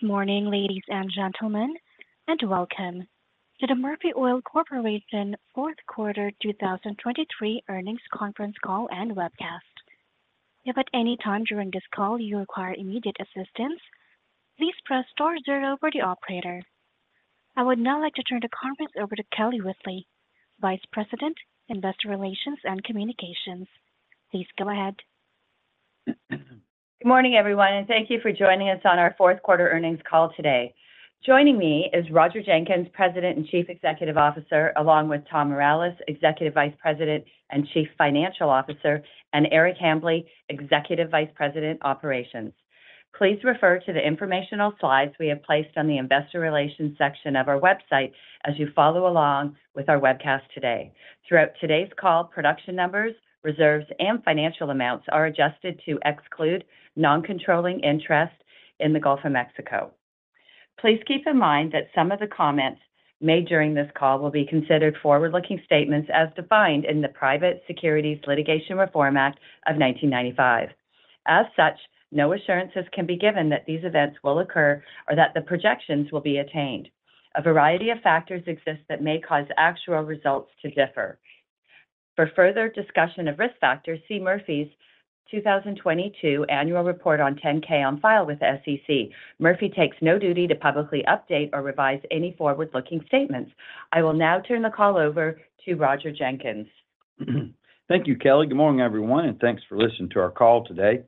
Good morning, ladies and gentlemen, and welcome to the Murphy Oil Corporation Fourth Quarter 2023 Earnings Conference Call and Webcast. If at any time during this call you require immediate assistance, please press star zero for the operator. I would now like to turn the conference over to Kelly Whitley, Vice President, Investor Relations and Communications. Please go ahead. Good morning, everyone, and thank you for joining us on our fourth quarter earnings call today. Joining me is Roger Jenkins, President and Chief Executive Officer, along with Tom Mireles, Executive Vice President and Chief Financial Officer, and Eric Hambly, Executive Vice President, Operations. Please refer to the informational slides we have placed on the Investor Relations section of our website as you follow along with our webcast today. Throughout today's call, production numbers, reserves, and financial amounts are adjusted to exclude non-controlling interest in the Gulf of Mexico. Please keep in mind that some of the comments made during this call will be considered forward-looking statements as defined in the Private Securities Litigation Reform Act of 1995. As such, no assurances can be given that these events will occur or that the projections will be attained. A variety of factors exist that may cause actual results to differ. For further discussion of risk factors, see Murphy's 2022 Annual Report on Form 10-K on file with SEC. Murphy takes no duty to publicly update or revise any forward-looking statements. I will now turn the call over to Roger Jenkins. Thank you, Kelly. Good morning, everyone, and thanks for listening to our call today.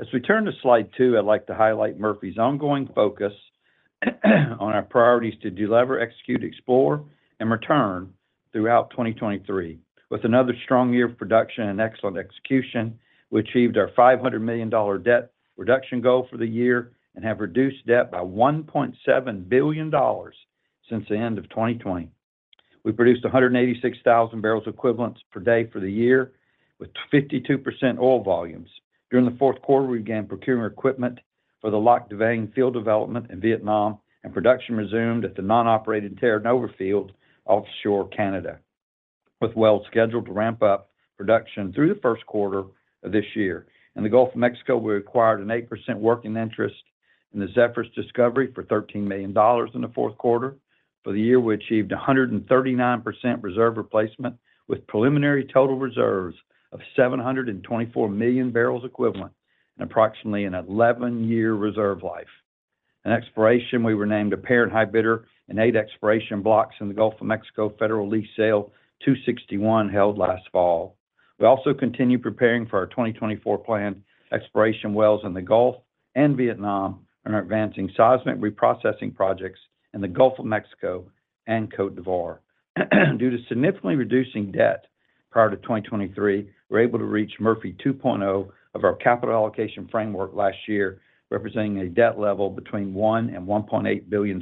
As we turn to Slide 2, I'd like to highlight Murphy's ongoing focus on our priorities to delever, execute, explore, and return throughout 2023. With another strong year of production and excellent execution, we achieved our $500 million debt reduction goal for the year and have reduced debt by $1.7 billion since the end of 2020. We produced 186,000 BOE per day for the year, with 52% oil volumes. During the fourth quarter, we began procuring equipment for the Lạc Đà Vàng field development in Vietnam, and production resumed at the non-operated Terra Nova field offshore Canada, with wells scheduled to ramp up production through the first quarter of this year. In the Gulf of Mexico, we acquired an 8% working interest in the Zephyrus discovery for $13 million in the fourth quarter. For the year, we achieved a 139% reserve replacement, with preliminary total reserves of 724 million BOE and approximately an 11-year reserve life. In exploration, we were named an apparent high bidder in eight exploration blocks in the Gulf of Mexico federal lease sale 261, held last fall. We also continue preparing for our 2024 planned exploration wells in the Gulf and Vietnam and are advancing seismic reprocessing projects in the Gulf of Mexico and Côte d'Ivoire. Due to significantly reducing debt prior to 2023, we're able to reach Murphy 2.0 of our capital allocation framework last year, representing a debt level between $1 billion and $1.8 billion.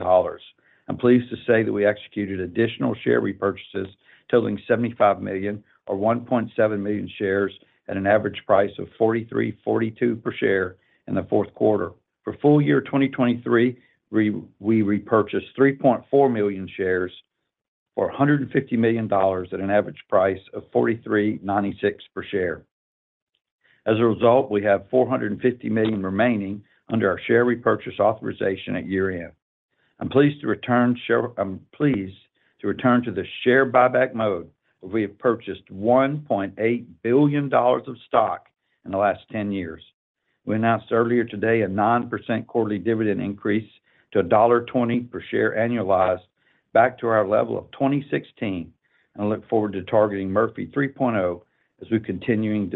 I'm pleased to say that we executed additional share repurchases totaling $75 million or 1.7 million shares at an average price of $43.42 per share in the fourth quarter. For full year 2023, we repurchased 3.4 million shares for $150 million at an average price of $43.96 per share. As a result, we have $450 million remaining under our share repurchase authorization at year-end. I'm pleased to return to the share buyback mode, where we have purchased $1.8 billion of stock in the last 10 years. We announced earlier today a 9% quarterly dividend increase to $1.20 per share annualized back to our level of 2016 and look forward to targeting Murphy 3.0 as we're continuing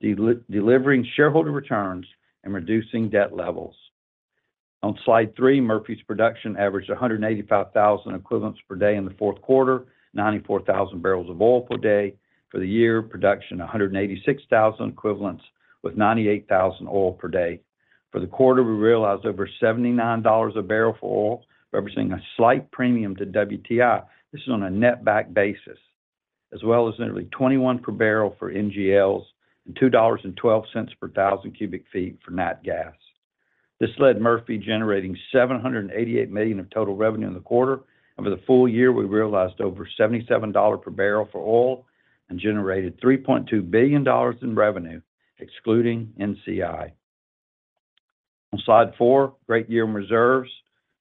delivering shareholder returns and reducing debt levels. On slide three, Murphy's production averaged 185,000 equivalents per day in the fourth quarter, 94,000 bbl of oil per day. For the year, production 186,000 bbl equivalents, with 98,000 bbl oil per day. For the quarter, we realized over $79 a barrel for oil, representing a slight premium to WTI. This is on a netback basis, as well as nearly $21 per bbl for NGLs and $2.12 per thousand cubic feet for nat gas. This led Murphy generating $788 million of total revenue in the quarter, and for the full year, we realized over $77 per bbl for oil and generated $3.2 billion in revenue, excluding NCI. On slide four, great year in reserves.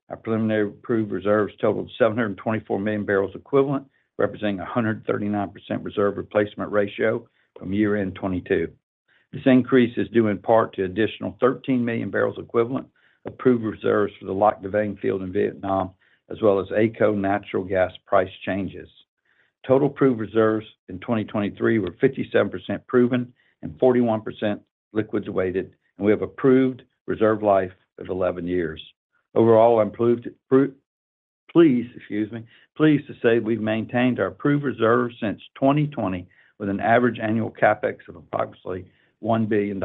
Our preliminary approved reserves totaled 724 million bbl equivalent, representing a 139% reserve replacement ratio from year-end 2022. This increase is due in part to additional 13 million bbl equivalent, approved reserves for the Lạc Đà Vàng field in Vietnam, as well as AECO natural gas price changes. Total approved reserves in 2023 were 57% proven and 41% liquids weighted, and we have approved reserve life of 11 years. Overall, I'm pleased, excuse me, to say we've maintained our proved reserves since 2020, with an average annual CapEx of approximately $1 billion,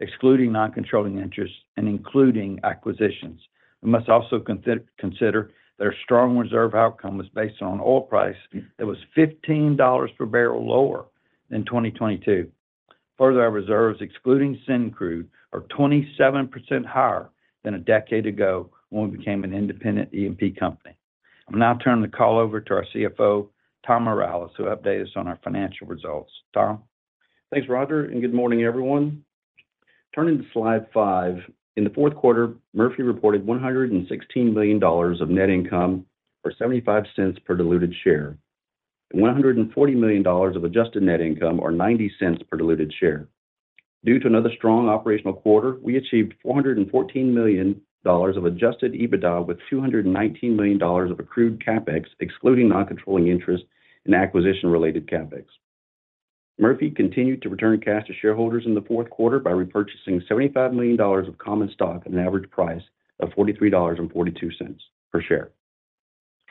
excluding non-controlling interests and including acquisitions. We must also consider their strong reserve outcome was based on oil price that was $15 per bbl lower than 2022. Further, our reserves, excluding Syncrude, are 27% higher than a decade ago when we became an independent E&P company. I'll now turn the call over to our CFO, Tom Mireles, to update us on our financial results. Tom? Thanks, Roger, and good morning, everyone. Turning to slide 5, in the fourth quarter, Murphy reported $116 million of net income, or $0.75 per diluted share, and $140 million of adjusted net income, or $0.90 per diluted share. Due to another strong operational quarter, we achieved $414 million of adjusted EBITDA, with $219 million of accrued CapEx, excluding non-controlling interest and acquisition-related CapEx. Murphy continued to return cash to shareholders in the fourth quarter by repurchasing $75 million of common stock at an average price of $43.42 per share.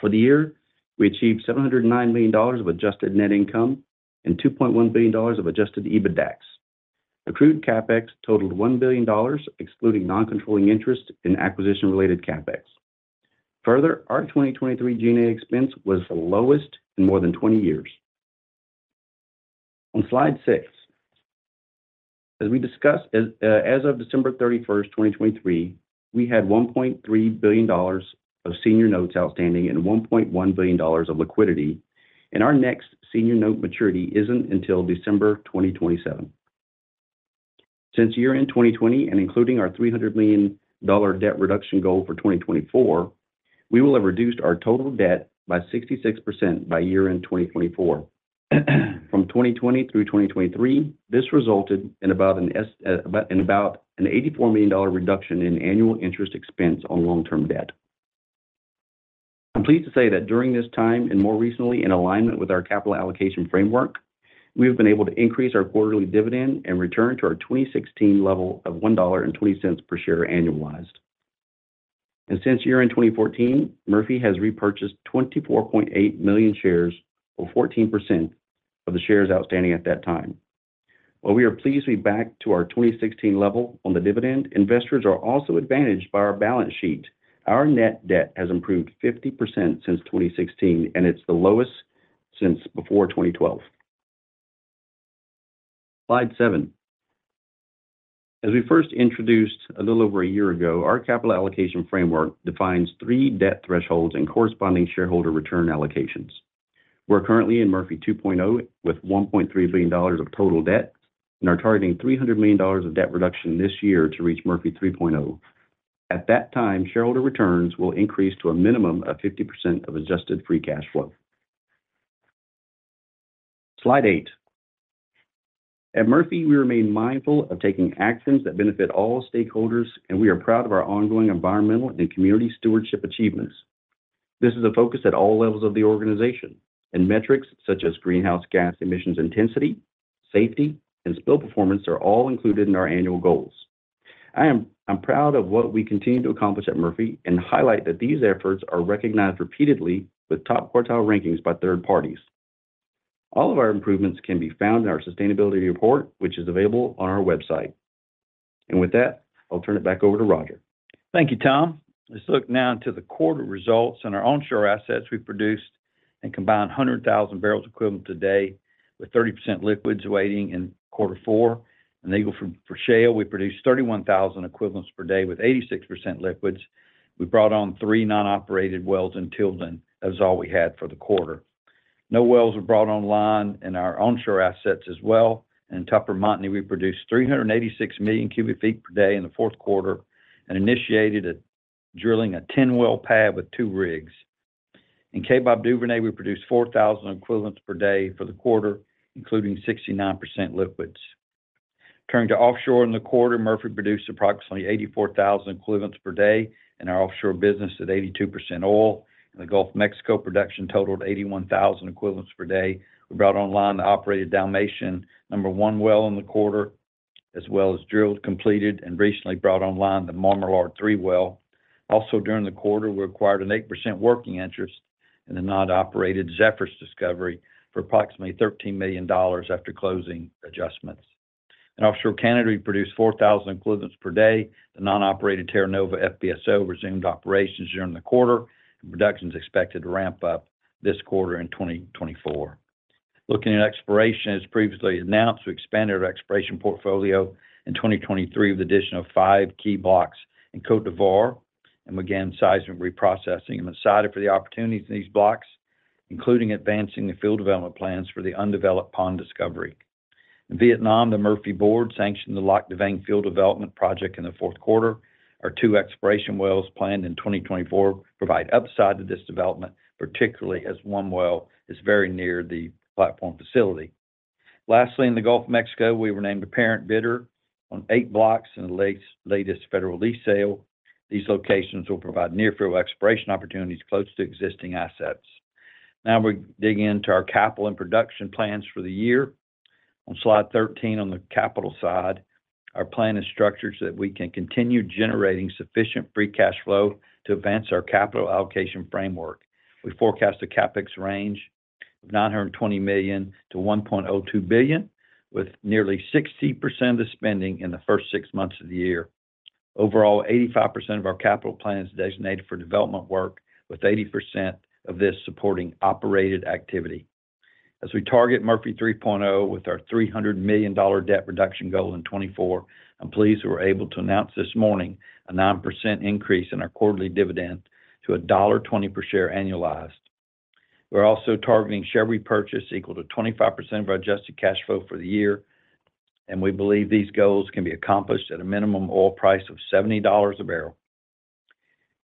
For the year, we achieved $709 million of adjusted net income and $2.1 billion of adjusted EBITDAX. Accrued CapEx totaled $1 billion, excluding non-controlling interest in acquisition-related CapEx. Further, our 2023 G&A expense was the lowest in more than 20 years. On slide 6. As we discussed, as, as of December 31, 2023, we had $1.3 billion of senior notes outstanding and $1.1 billion of liquidity, and our next senior note maturity isn't until December 2027. Since year-end 2020 and including our $300 million debt reduction goal for 2024, we will have reduced our total debt by 66% by year-end 2024. From 2020 through 2023, this resulted in about an, about, in about an $84 million reduction in annual interest expense on long-term debt. I'm pleased to say that during this time, and more recently in alignment with our capital allocation framework, we have been able to increase our quarterly dividend and return to our 2016 level of $1.20 per share annualized. Since year-end 2014, Murphy has repurchased 24.8 million shares, or 14% of the shares outstanding at that time. While we are pleased to be back to our 2016 level on the dividend, investors are also advantaged by our balance sheet. Our net debt has improved 50% since 2016, and it's the lowest since before 2012. Slide 7. As we first introduced a little over a year ago, our capital allocation framework defines three debt thresholds and corresponding shareholder return allocations. We're currently in Murphy 2.0, with $1.3 billion of total debt, and are targeting $300 million of debt reduction this year to reach Murphy 3.0. At that time, shareholder returns will increase to a minimum of 50% of adjusted free cash flow. Slide 8. At Murphy, we remain mindful of taking actions that benefit all stakeholders, and we are proud of our ongoing environmental and community stewardship achievements. This is a focus at all levels of the organization, and metrics such as greenhouse gas emissions intensity, safety, and spill performance are all included in our annual goals. I'm proud of what we continue to accomplish at Murphy and highlight that these efforts are recognized repeatedly with top quartile rankings by third parties. All of our improvements can be found in our sustainability report, which is available on our website. With that, I'll turn it back over to Roger. Thank you, Tom. Let's look now into the quarter results. On our onshore assets, we produced a combined 100,000 bbl equivalent today, with 30% liquids weighting in quarter four. In Eagle Ford Shale, we produced 31,000 bbl equivalents per day with 86% liquids. We brought on three non-operated wells in Tilden. That's all we had for the quarter. No wells were brought online in our onshore assets as well. In Tupper Montney, we produced 386 million cubic feet per day in the fourth quarter and initiated drilling a 10-well pad with two rigs. In Kaybob Duvernay, we produced 4,000 bbl equivalents per day for the quarter, including 69% liquids. Turning to offshore in the quarter, Murphy produced approximately 84,000 bbl equivalents per day in our offshore business at 82% oil. In the Gulf of Mexico, production totaled 81,000 bbl equivalents per day. We brought online the operated Dalmatian #1 well in the quarter, as well as drilled, completed, and recently brought online the Marmalard #3 well. Also, during the quarter, we acquired an 8% working interest in the non-operated Zephyrus discovery for approximately $13 million after closing adjustments. In offshore Canada, we produced 4,000 bbl equivalents per day. The non-operated Terra Nova FPSO resumed operations during the quarter, and production is expected to ramp up this quarter in 2024. Looking at exploration, as previously announced, we expanded our exploration portfolio in 2023 with the addition of five key blocks in Côte d'Ivoire and began seismic reprocessing and decided for the opportunities in these blocks, including advancing the field development plans for the undeveloped Paon discovery. In Vietnam, the Murphy Board sanctioned the Lạc Đà Vàng field development project in the fourth quarter. Our two exploration wells planned in 2024 provide upside to this development, particularly as one well is very near the platform facility. Lastly, in the Gulf of Mexico, we were named apparent bidder on eight blocks in the latest federal lease sale. These locations will provide near-field exploration opportunities close to existing assets. Now we dig into our capital and production plans for the year. On slide 13, on the capital side, our plan is structured so that we can continue generating sufficient free cash flow to advance our capital allocation framework. We forecast a CapEx range of $920 million-$1.2 billion, with nearly 60% of spending in the first six months of the year. Overall, 85% of our capital plan is designated for development work, with 80% of this supporting operated activity. As we target Murphy 3.0 with our $300 million debt reduction goal in 2024, I'm pleased we were able to announce this morning a 9% increase in our quarterly dividend to $1.20 per share annualized. We're also targeting share repurchase equal to 25% of our adjusted cash flow for the year, and we believe these goals can be accomplished at a minimum oil price of $70 a barrel.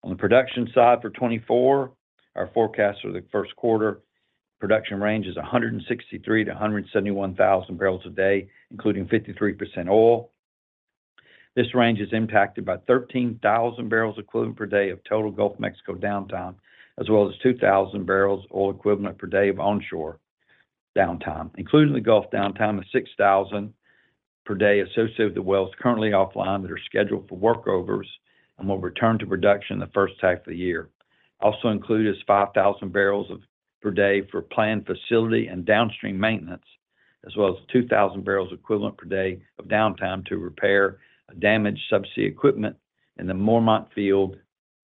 On the production side for 2024, our forecast for the first quarter production range is 163,000 bbl-171,000 bbl a day, including 53% oil. This range is impacted by 13,000 bbl equivalent per day of total Gulf of Mexico downtime, as well as 2,000 bbl oil equivalent per day of onshore downtime, including the Gulf downtime of 6,000 bbl per day associated with the wells currently offline that are scheduled for workovers and will return to production in the first half of the year. Also included is 5,000 bbl per day for planned facility and downstream maintenance, as well as 2,000 bbl equivalent per day of downtime to repair damaged subsea equipment in the Mormont field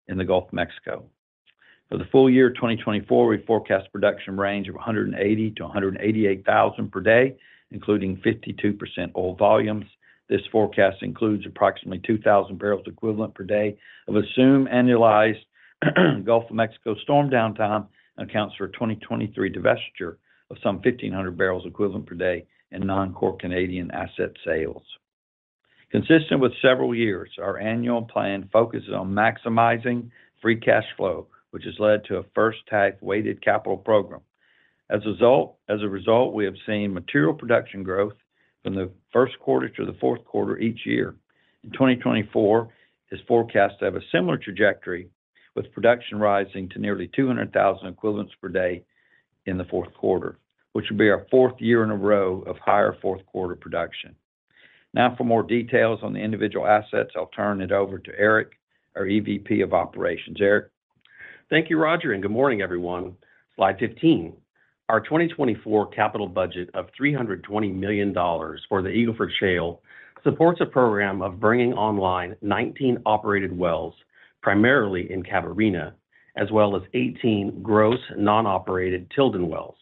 in the Gulf of Mexico. For the full year, 2024, we forecast production range of 180,000 bbl-188,000 bbl per day, including 52% oil volumes. This forecast includes approximately 2,000 bbl equivalent per day of assumed annualized Gulf of Mexico storm downtime, and accounts for a 2023 divestiture of some 1,500 bbl equivalent per day in non-core Canadian asset sales. Consistent with several years, our annual plan focuses on maximizing free cash flow, which has led to a first tax-weighted capital program. As a result, we have seen material production growth from the first quarter to the fourth quarter each year. In 2024 is forecast to have a similar trajectory, with production rising to nearly 200,000 bbl equivalents per day in the fourth quarter, which will be our fourth year in a row of higher fourth quarter production. Now, for more details on the individual assets, I'll turn it over to Eric, our EVP of Operations. Eric? Thank you, Roger, and good morning, everyone. Slide 15. Our 2024 capital budget of $320 million for the Eagle Ford Shale supports a program of bringing online 19 operated wells, primarily in Catarina, as well as 18 gross non-operated Tilden wells.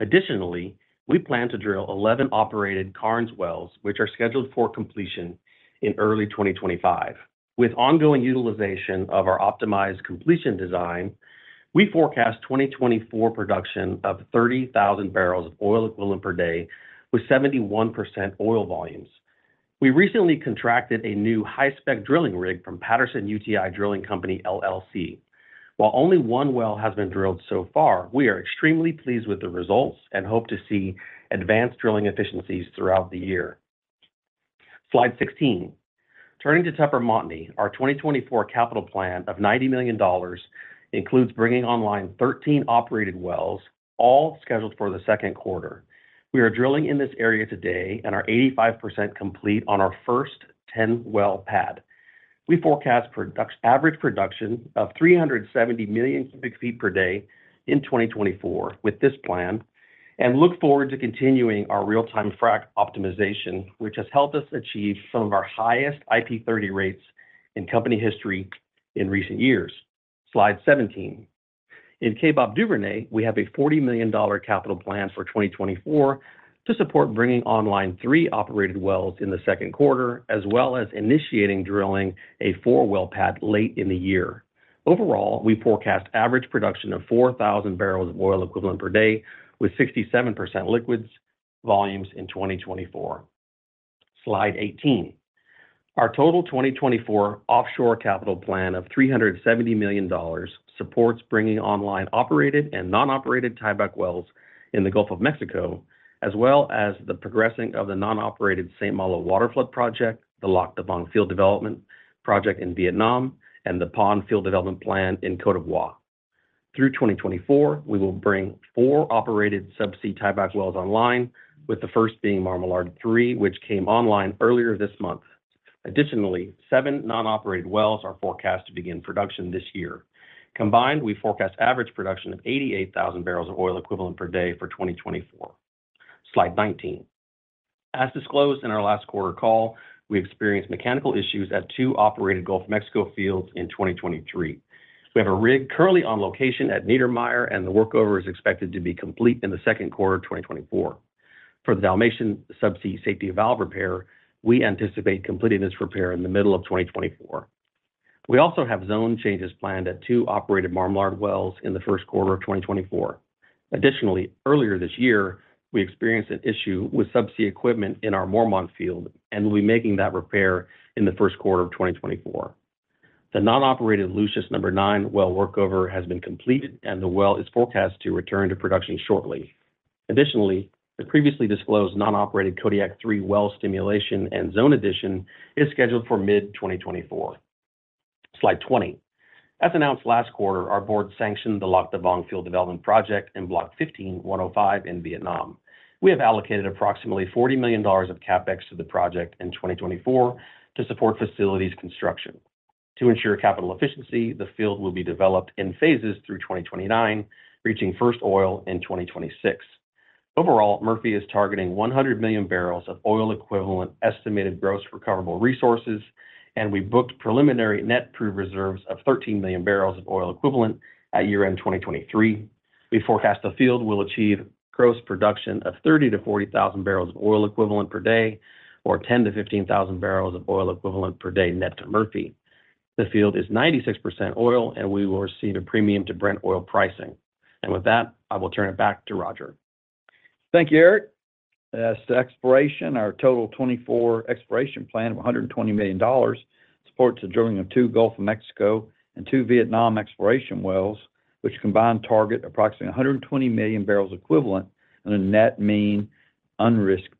Additionally, we plan to drill 11 operated Karnes wells, which are scheduled for completion in early 2025. With ongoing utilization of our optimized completion design, we forecast 2024 production of 30,000 bbl of oil equivalent per day, with 71% oil volumes. We recently contracted a new high-spec drilling rig from Patterson-UTI Drilling Company LLC. While only one well has been drilled so far, we are extremely pleased with the results and hope to see advanced drilling efficiencies throughout the year. Slide 16. Turning to Tupper Montney, our 2024 capital plan of $90 million includes bringing online 13 operated wells, all scheduled for the second quarter. We are drilling in this area today and are 85% complete on our first 10-well pad. We forecast product average production of 370 million cubic feet per day in 2024 with this plan, and look forward to continuing our real-time frack optimization, which has helped us achieve some of our highest IP30 rates in company history in recent years. Slide 17. In Kaybob Duvernay, we have a $40 million capital plan for 2024 to support bringing online three operated wells in the second quarter, as well as initiating drilling a four-well pad late in the year. Overall, we forecast average production of 4,000 bbl of oil equivalent per day, with 67% liquids volumes in 2024. Slide 18. Our total 2024 offshore capital plan of $370 million supports bringing online operated and non-operated tieback wells in the Gulf of Mexico, as well as the progressing of the non-operated St. Malo water flood project, the Lạc Đà Vàng field development project in Vietnam, and the Paon field development plan in Côte d'Ivoire. Through 2024, we will bring four operated subsea tieback wells online, with the first being Marmalard Three, which came online earlier this month. Additionally, seven non-operated wells are forecast to begin production this year. Combined, we forecast average production of 88,000 bbl of oil equivalent per day for 2024. Slide 19. As disclosed in our last quarter call, we experienced mechanical issues at two operated Gulf of Mexico fields in 2023. We have a rig currently on location at Neidermeyer, and the workover is expected to be complete in the second quarter of 2024. For the Dalmatian subsea safety valve repair, we anticipate completing this repair in the middle of 2024. We also have zone changes planned at two operated Marmalard wells in the first quarter of 2024. Additionally, earlier this year, we experienced an issue with subsea equipment in our Mormont field, and we'll be making that repair in the first quarter of 2024. The non-operated Lucius #9 well workover has been completed, and the well is forecast to return to production shortly. Additionally, the previously disclosed non-operated Kodiak #3 well stimulation and zone addition is scheduled for mid-2024. Slide 20. As announced last quarter, our board sanctioned the Lạc Đà Vàng field development project in Block 15-1/05 in Vietnam. We have allocated approximately $40 million of CapEx to the project in 2024 to support facilities construction. To ensure capital efficiency, the field will be developed in phases through 2029, reaching first oil in 2026. Overall, Murphy is targeting 100 million bbl of oil equivalent estimated gross recoverable resources, and we booked preliminary net proved reserves of 13 million bbl of oil equivalent at year-end 2023. We forecast the field will achieve gross production of 30,000 bbl -40,000 bbl of oil equivalent per day, or 10,000 bbl-15,000 bbl of oil equivalent per day net to Murphy. The field is 96% oil, and we will receive a premium to Brent oil pricing. With that, I will turn it back to Roger. Thank you, Eric. As to exploration, our total 2024 exploration plan of $120 million supports the drilling of two Gulf of Mexico and two Vietnam exploration wells, which combine target approximately 120 million bbl equivalent on a net mean, unrisked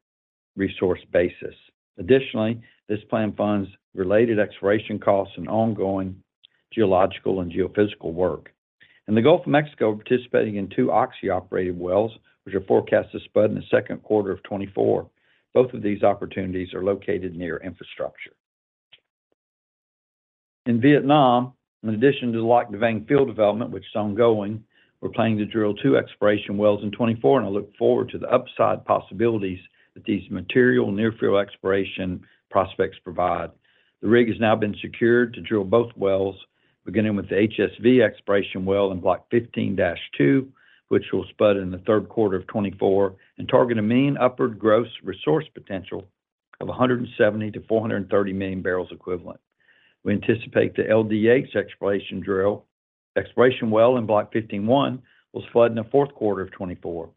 resource basis. Additionally, this plan funds related exploration costs and ongoing geological and geophysical work. In the Gulf of Mexico, we're participating in two Oxy-operated wells, which are forecast to spud in the second quarter of 2024. Both of these opportunities are located near infrastructure. In Vietnam, in addition to the Lạc Đà Vàng field development, which is ongoing, we're planning to drill two exploration wells in 2024, and I look forward to the upside possibilities that these material near field exploration prospects provide. The rig has now been secured to drill both wells, beginning with the HSV exploration well in Block 15-2, which will spud in the third quarter of 2024 and target a mean upward gross resource potential of 170 million bbl-430 million bbl equivalent. We anticipate the LDH exploration drill. Exploration well in Block 15-1 will spud in the fourth quarter of 2024.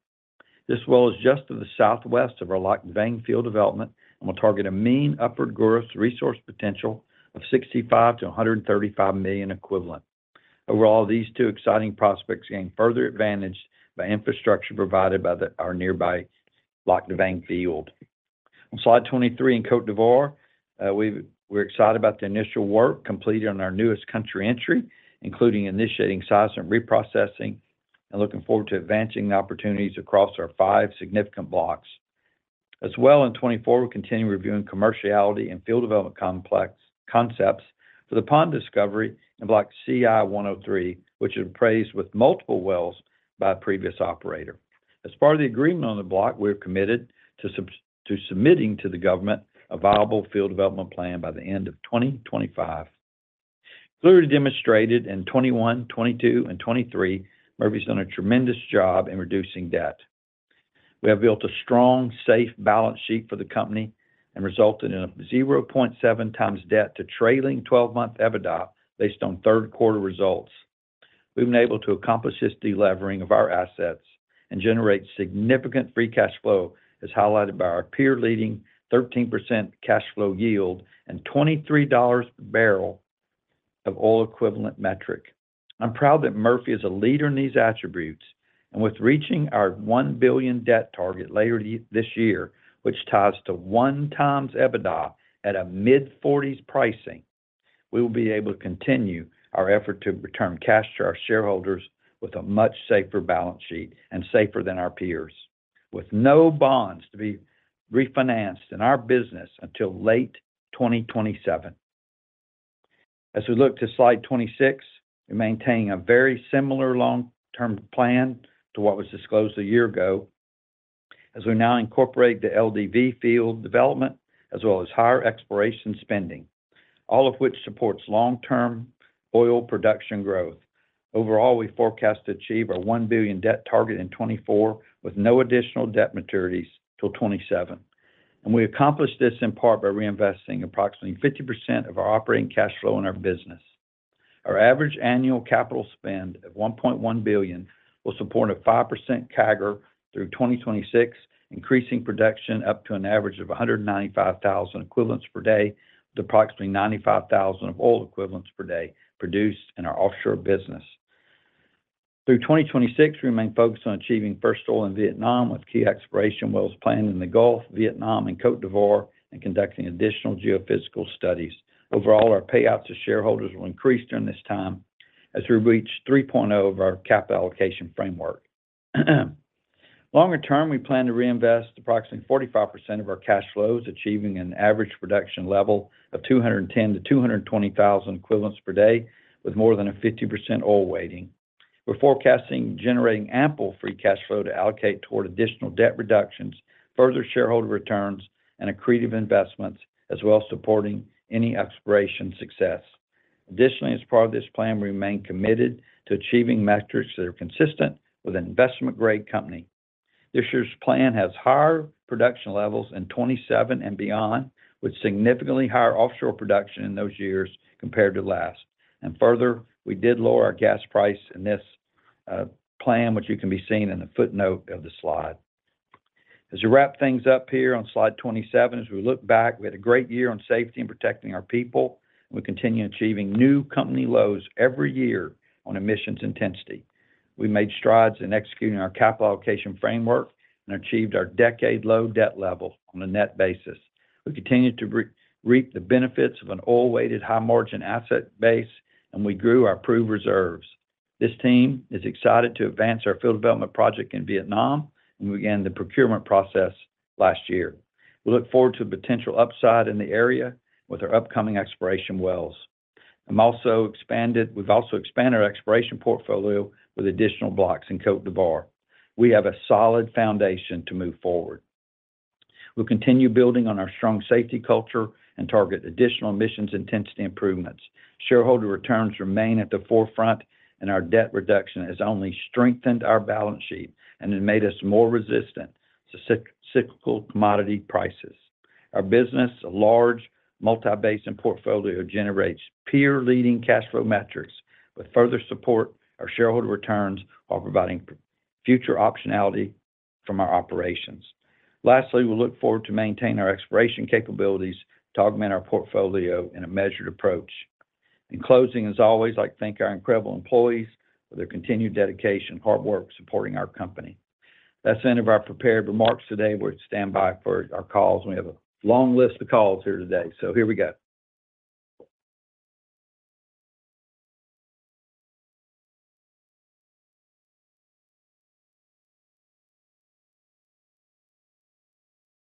This well is just to the southwest of our Lạc Đà Vàng field development and will target a mean upward gross resource potential of 65 million bbl-135 million bbl equivalent. Overall, these two exciting prospects gain further advantage by infrastructure provided by our nearby Lạc Đà Vàng field. On slide 23, in Côte d'Ivoire, we're excited about the initial work completed on our newest country entry, including initiating science and reprocessing, and looking forward to advancing the opportunities across our five significant blocks. As well, in 2024, we'll continue reviewing commerciality and field development complex concepts for the Paon discovery in Block CI-103, which is appraised with multiple wells by a previous operator. As part of the agreement on the block, we're committed to submitting to the government a viable field development plan by the end of 2025. Clearly demonstrated in 2021, 2022, and 2023, Murphy's done a tremendous job in reducing debt. We have built a strong, safe balance sheet for the company and resulted in a 0.7x debt to trailing twelve-month EBITDA, based on third quarter results. We've been able to accomplish this delevering of our assets and generate significant free cash flow, as highlighted by our peer-leading 13% cash flow yield and $23 per bbl of oil equivalent metric. I'm proud that Murphy is a leader in these attributes, and with reaching our $1 billion debt target later this year, which ties to 1x EBITDA at a mid-$40s pricing, we will be able to continue our effort to return cash to our shareholders with a much safer balance sheet and safer than our peers, with no bonds to be refinanced in our business until late 2027. As we look to slide 26, we're maintaining a very similar long-term plan to what was disclosed a year ago, as we now incorporate the LDV field development, as well as higher exploration spending, all of which supports long-term oil production growth. Overall, we forecast to achieve our $1 billion debt target in 2024, with no additional debt maturities till 2027. And we accomplished this in part by reinvesting approximately 50% of our operating cash flow in our business. Our average annual capital spend of $1.1 billion will support a 5% CAGR through 2026, increasing production up to an average of 195,000 equivalents per day, with approximately 95,000 oil equivalents per day produced in our offshore business. Through 2026, we remain focused on achieving first oil in Vietnam, with key exploration wells planned in the Gulf, Vietnam, and Côte d'Ivoire, and conducting additional geophysical studies. Overall, our payouts to shareholders will increase during this time as we reach 3.0 of our capital allocation framework. Longer term, we plan to reinvest approximately 45% of our cash flows, achieving an average production level of 210,000 bbl -220,000 bbl equivalents per day, with more than a 50% oil weighting. We're forecasting generating ample free cash flow to allocate toward additional debt reductions, further shareholder returns, and accretive investments, as well as supporting any exploration success. Additionally, as part of this plan, we remain committed to achieving metrics that are consistent with an investment-grade company. This year's plan has higher production levels in 2027 and beyond, with significantly higher offshore production in those years compared to last. Further, we did lower our gas price in this plan, which can be seen in the footnote of the slide. As we wrap things up here on slide 27, as we look back, we had a great year on safety and protecting our people. We continue achieving new company lows every year on emissions intensity. We made strides in executing our capital allocation framework and achieved our decade-low debt level on a net basis. We continued to reap the benefits of an oil-weighted, high-margin asset base, and we grew our approved reserves. This team is excited to advance our field development project in Vietnam, and we began the procurement process last year. We look forward to the potential upside in the area with our upcoming exploration wells. We've also expanded our exploration portfolio with additional blocks in Côte d'Ivoire. We have a solid foundation to move forward. We'll continue building on our strong safety culture and target additional emissions intensity improvements. Shareholder returns remain at the forefront, and our debt reduction has only strengthened our balance sheet and has made us more resistant to cyclical commodity prices. Our business, a large multi-basin portfolio, generates peer-leading cash flow metrics with further support our shareholder returns, while providing future optionality from our operations. Lastly, we look forward to maintain our exploration capabilities to augment our portfolio in a measured approach. In closing, as always, I'd like to thank our incredible employees for their continued dedication and hard work supporting our company. That's the end of our prepared remarks today. We're at standby for our calls, and we have a long list of calls here today, so here we go.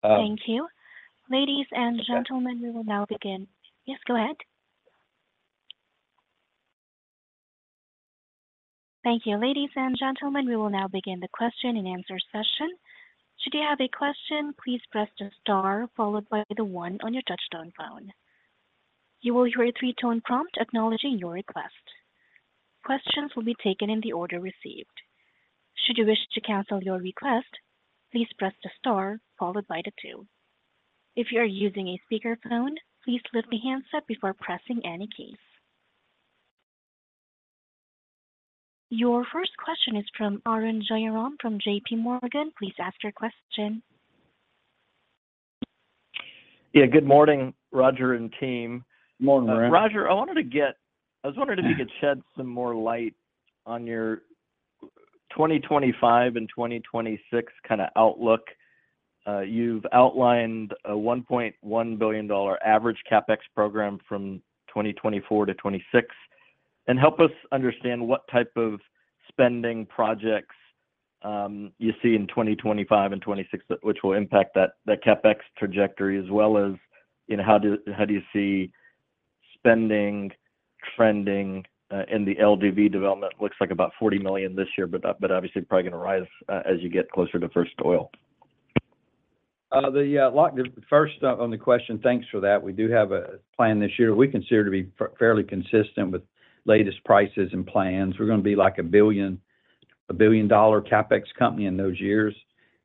Thank you. Ladies and gentlemen, we will now begin. Yes, go ahead. Thank you. Ladies and gentlemen, we will now begin the question and answer session. Should you have a question, please press the star followed by the one on your touchtone phone. You will hear a three-tone prompt acknowledging your request. Questions will be taken in the order received. Should you wish to cancel your request, please press the star followed by the two. If you are using a speakerphone, please lift the handset before pressing any keys. Your first question is from Arun Jayaram from JPMorgan. Please ask your question. Yeah, good morning, Roger and team. Morning, Arun. Roger, I was wondering if you could shed some more light on your 2025 and 2026 kind of outlook. You've outlined a $1.1 billion average CapEx program from 2024 to 2026. Help us understand what type of spending projects you see in 2025 and 2026, which will impact that CapEx trajectory, as well as, you know, how do you see spending trending in the LDV development. Looks like about $40 million this year, but obviously probably going to rise as you get closer to first oil. Like the first on the question, thanks for that. We do have a plan this year we consider to be fairly consistent with latest prices and plans. We're going to be like a billion, a billion-dollar CapEx company in those years.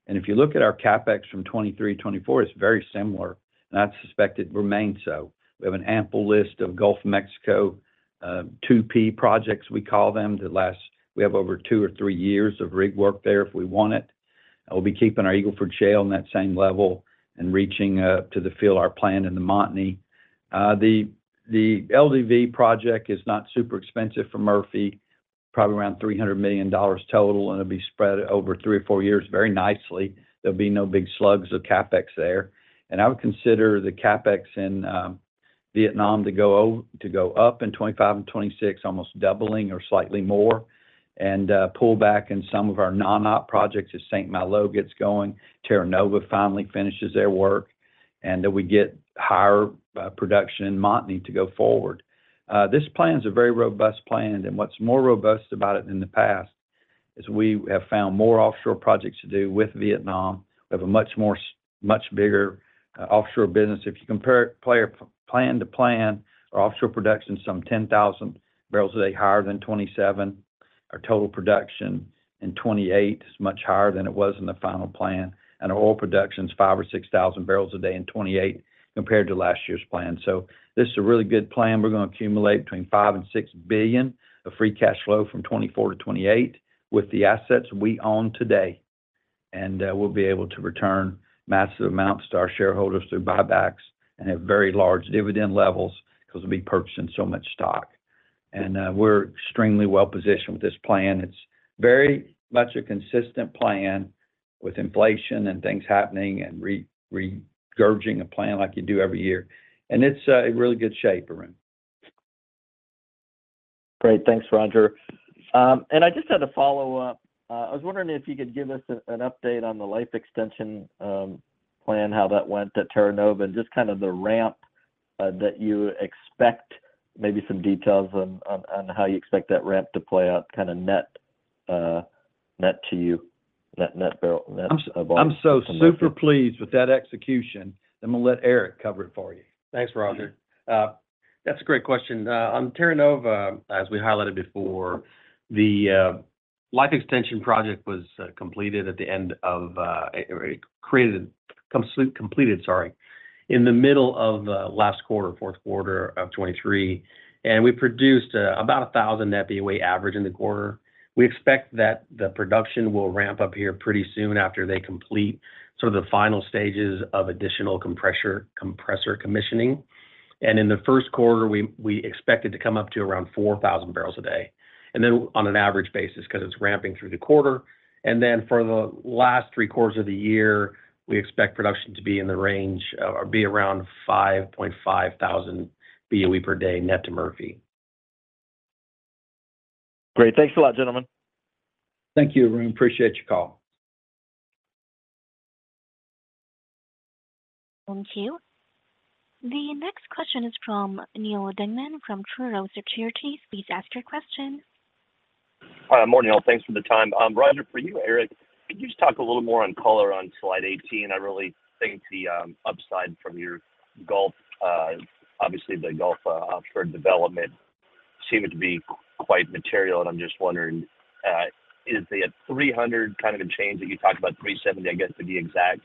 And if you look at our CapEx from 2023, 2024, it's very similar, and I suspect it remains so. We have an ample list of Gulf of Mexico, 2P projects, we call them, that last. We have over two or three years of rig work there if we want it. And we'll be keeping our Eagle Ford Shale on that same level and reaching to the fill our plan in the Montney. The LDV project is not super expensive for Murphy, probably around $300 million total, and it'll be spread over three or four years very nicely. There'll be no big slugs of CapEx there. I would consider the CapEx in Vietnam to go up in 2025 and 2026, almost doubling or slightly more, and pull back in some of our non-op projects as St. Malo gets going, Terra Nova finally finishes their work, and that we get higher production in Montney to go forward. This plan is a very robust plan, and what's more robust about it than the past is we have found more offshore projects to do with Vietnam. We have a much bigger offshore business. If you compare plan to plan, our offshore production is some 10,000 bbl a day higher than 2027. Our total production in 2028 is much higher than it was in the final plan, and our oil production is 5,000 bbl-6,000 bbl a day in 2028 compared to last year's plan. So this is a really good plan. We're going to accumulate between $5 billion and $6 billion of free cash flow from 2024 to 2028 with the assets we own today. And we'll be able to return massive amounts to our shareholders through buybacks and have very large dividend levels because we'll be purchasing so much stock. And we're extremely well-positioned with this plan. It's very much a consistent plan with inflation and things happening and regurgitating a plan like you do every year, and it's in really good shape, Arun. Great. Thanks, Roger. And I just had a follow-up. I was wondering if you could give us an update on the life extension plan, how that went at Terra Nova, and just kind of the ramp that you expect, maybe some details on how you expect that ramp to play out, kind of net to you, net barrel, net- I'm so super pleased with that execution. I'm going to let Eric cover it for you. Thanks, Roger. That's a great question. On Terra Nova, as we highlighted before, the life extension project was completed at the end of it created—completed, sorry, in the middle of last quarter, fourth quarter of 2023, and we produced about 1,000 net BOE average in the quarter. We expect that the production will ramp up here pretty soon after they complete sort of the final stages of additional compressor commissioning. And in the first quarter, we expect it to come up to around 4,000 bbl a day, and then on an average basis, because it's ramping through the quarter. And then for the last three quarters of the year, we expect production to be in the range or be around 5,500 BOE per day net to Murphy. Great. Thanks a lot, gentlemen. Thank you, Arun. Appreciate your call. Thank you. The next question is from Neal Dingmann from Truist Securities. Please ask your question. Morning, all. Thanks for the time. Roger, for you, Eric, could you just talk a little more on color on slide 18? I really think the upside from your Gulf, obviously the Gulf, offshore development seems to be quite material, and I'm just wondering, is the 300 kind of a change that you talked about, 370, I guess, to be exact.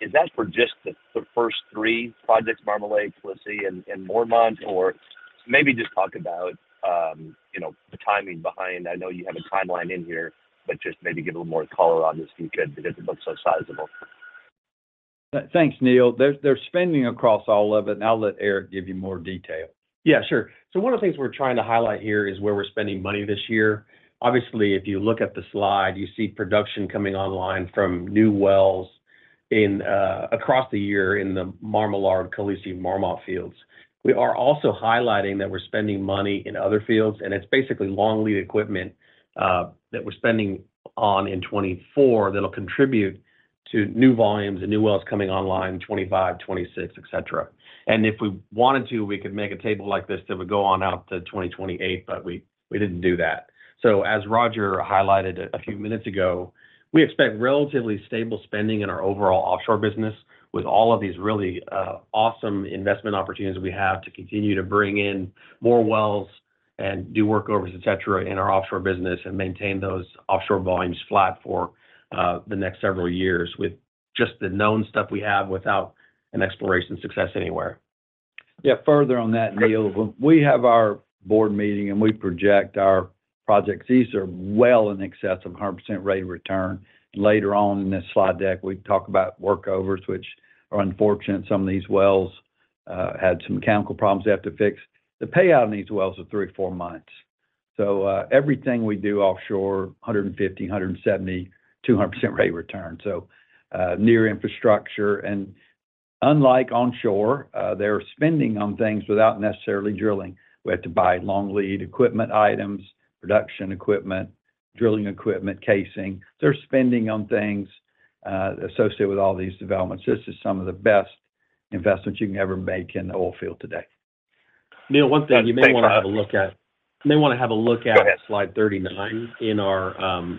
Is that for just the first three projects, Marmalard, Khaleesi and Mormont? Or maybe just talk about, you know, the timing behind. I know you have a timeline in here, but just maybe give a little more color on this because it looks so sizable. Thanks, Neil. There's spending across all of it, and I'll let Eric give you more detail. Yeah, sure. So one of the things we're trying to highlight here is where we're spending money this year. Obviously, if you look at the slide, you see production coming online from new wells in across the year in the Marmalard, Khaleesi, Mormont fields. We are also highlighting that we're spending money in other fields, and it's basically long lead equipment that we're spending on in 2024 that'll contribute to new volumes and new wells coming online, 2025, 2026, et cetera. And if we wanted to, we could make a table like this that would go on out to 2028, but we, we didn't do that. So as Roger highlighted a few minutes ago, we expect relatively stable spending in our overall offshore business with all of these really, awesome investment opportunities we have to continue to bring in more wells and do workovers, et cetera, in our offshore business and maintain those offshore volumes flat for the next several years with just the known stuff we have without an exploration success anywhere. Yeah, further on that, Neil, we have our board meeting, and we project our projects these are well in excess of 100% rate of return. Later on in this slide deck, we talk about workovers, which are unfortunate. Some of these wells had some mechanical problems they have to fix. The payout on these wells are three to four months. So, everything we do offshore, 150%, 170%, 200% rate of return, so, near infrastructure. And unlike onshore, they're spending on things without necessarily drilling. We have to buy long lead equipment items, production equipment, drilling equipment, casing. They're spending on things associated with all these developments. This is some of the best investments you can ever make in the oil field today. Neil, one thing- Thanks, Roger... you may want to have a look at. You may want to have a look at- Go ahead... slide 39 in our,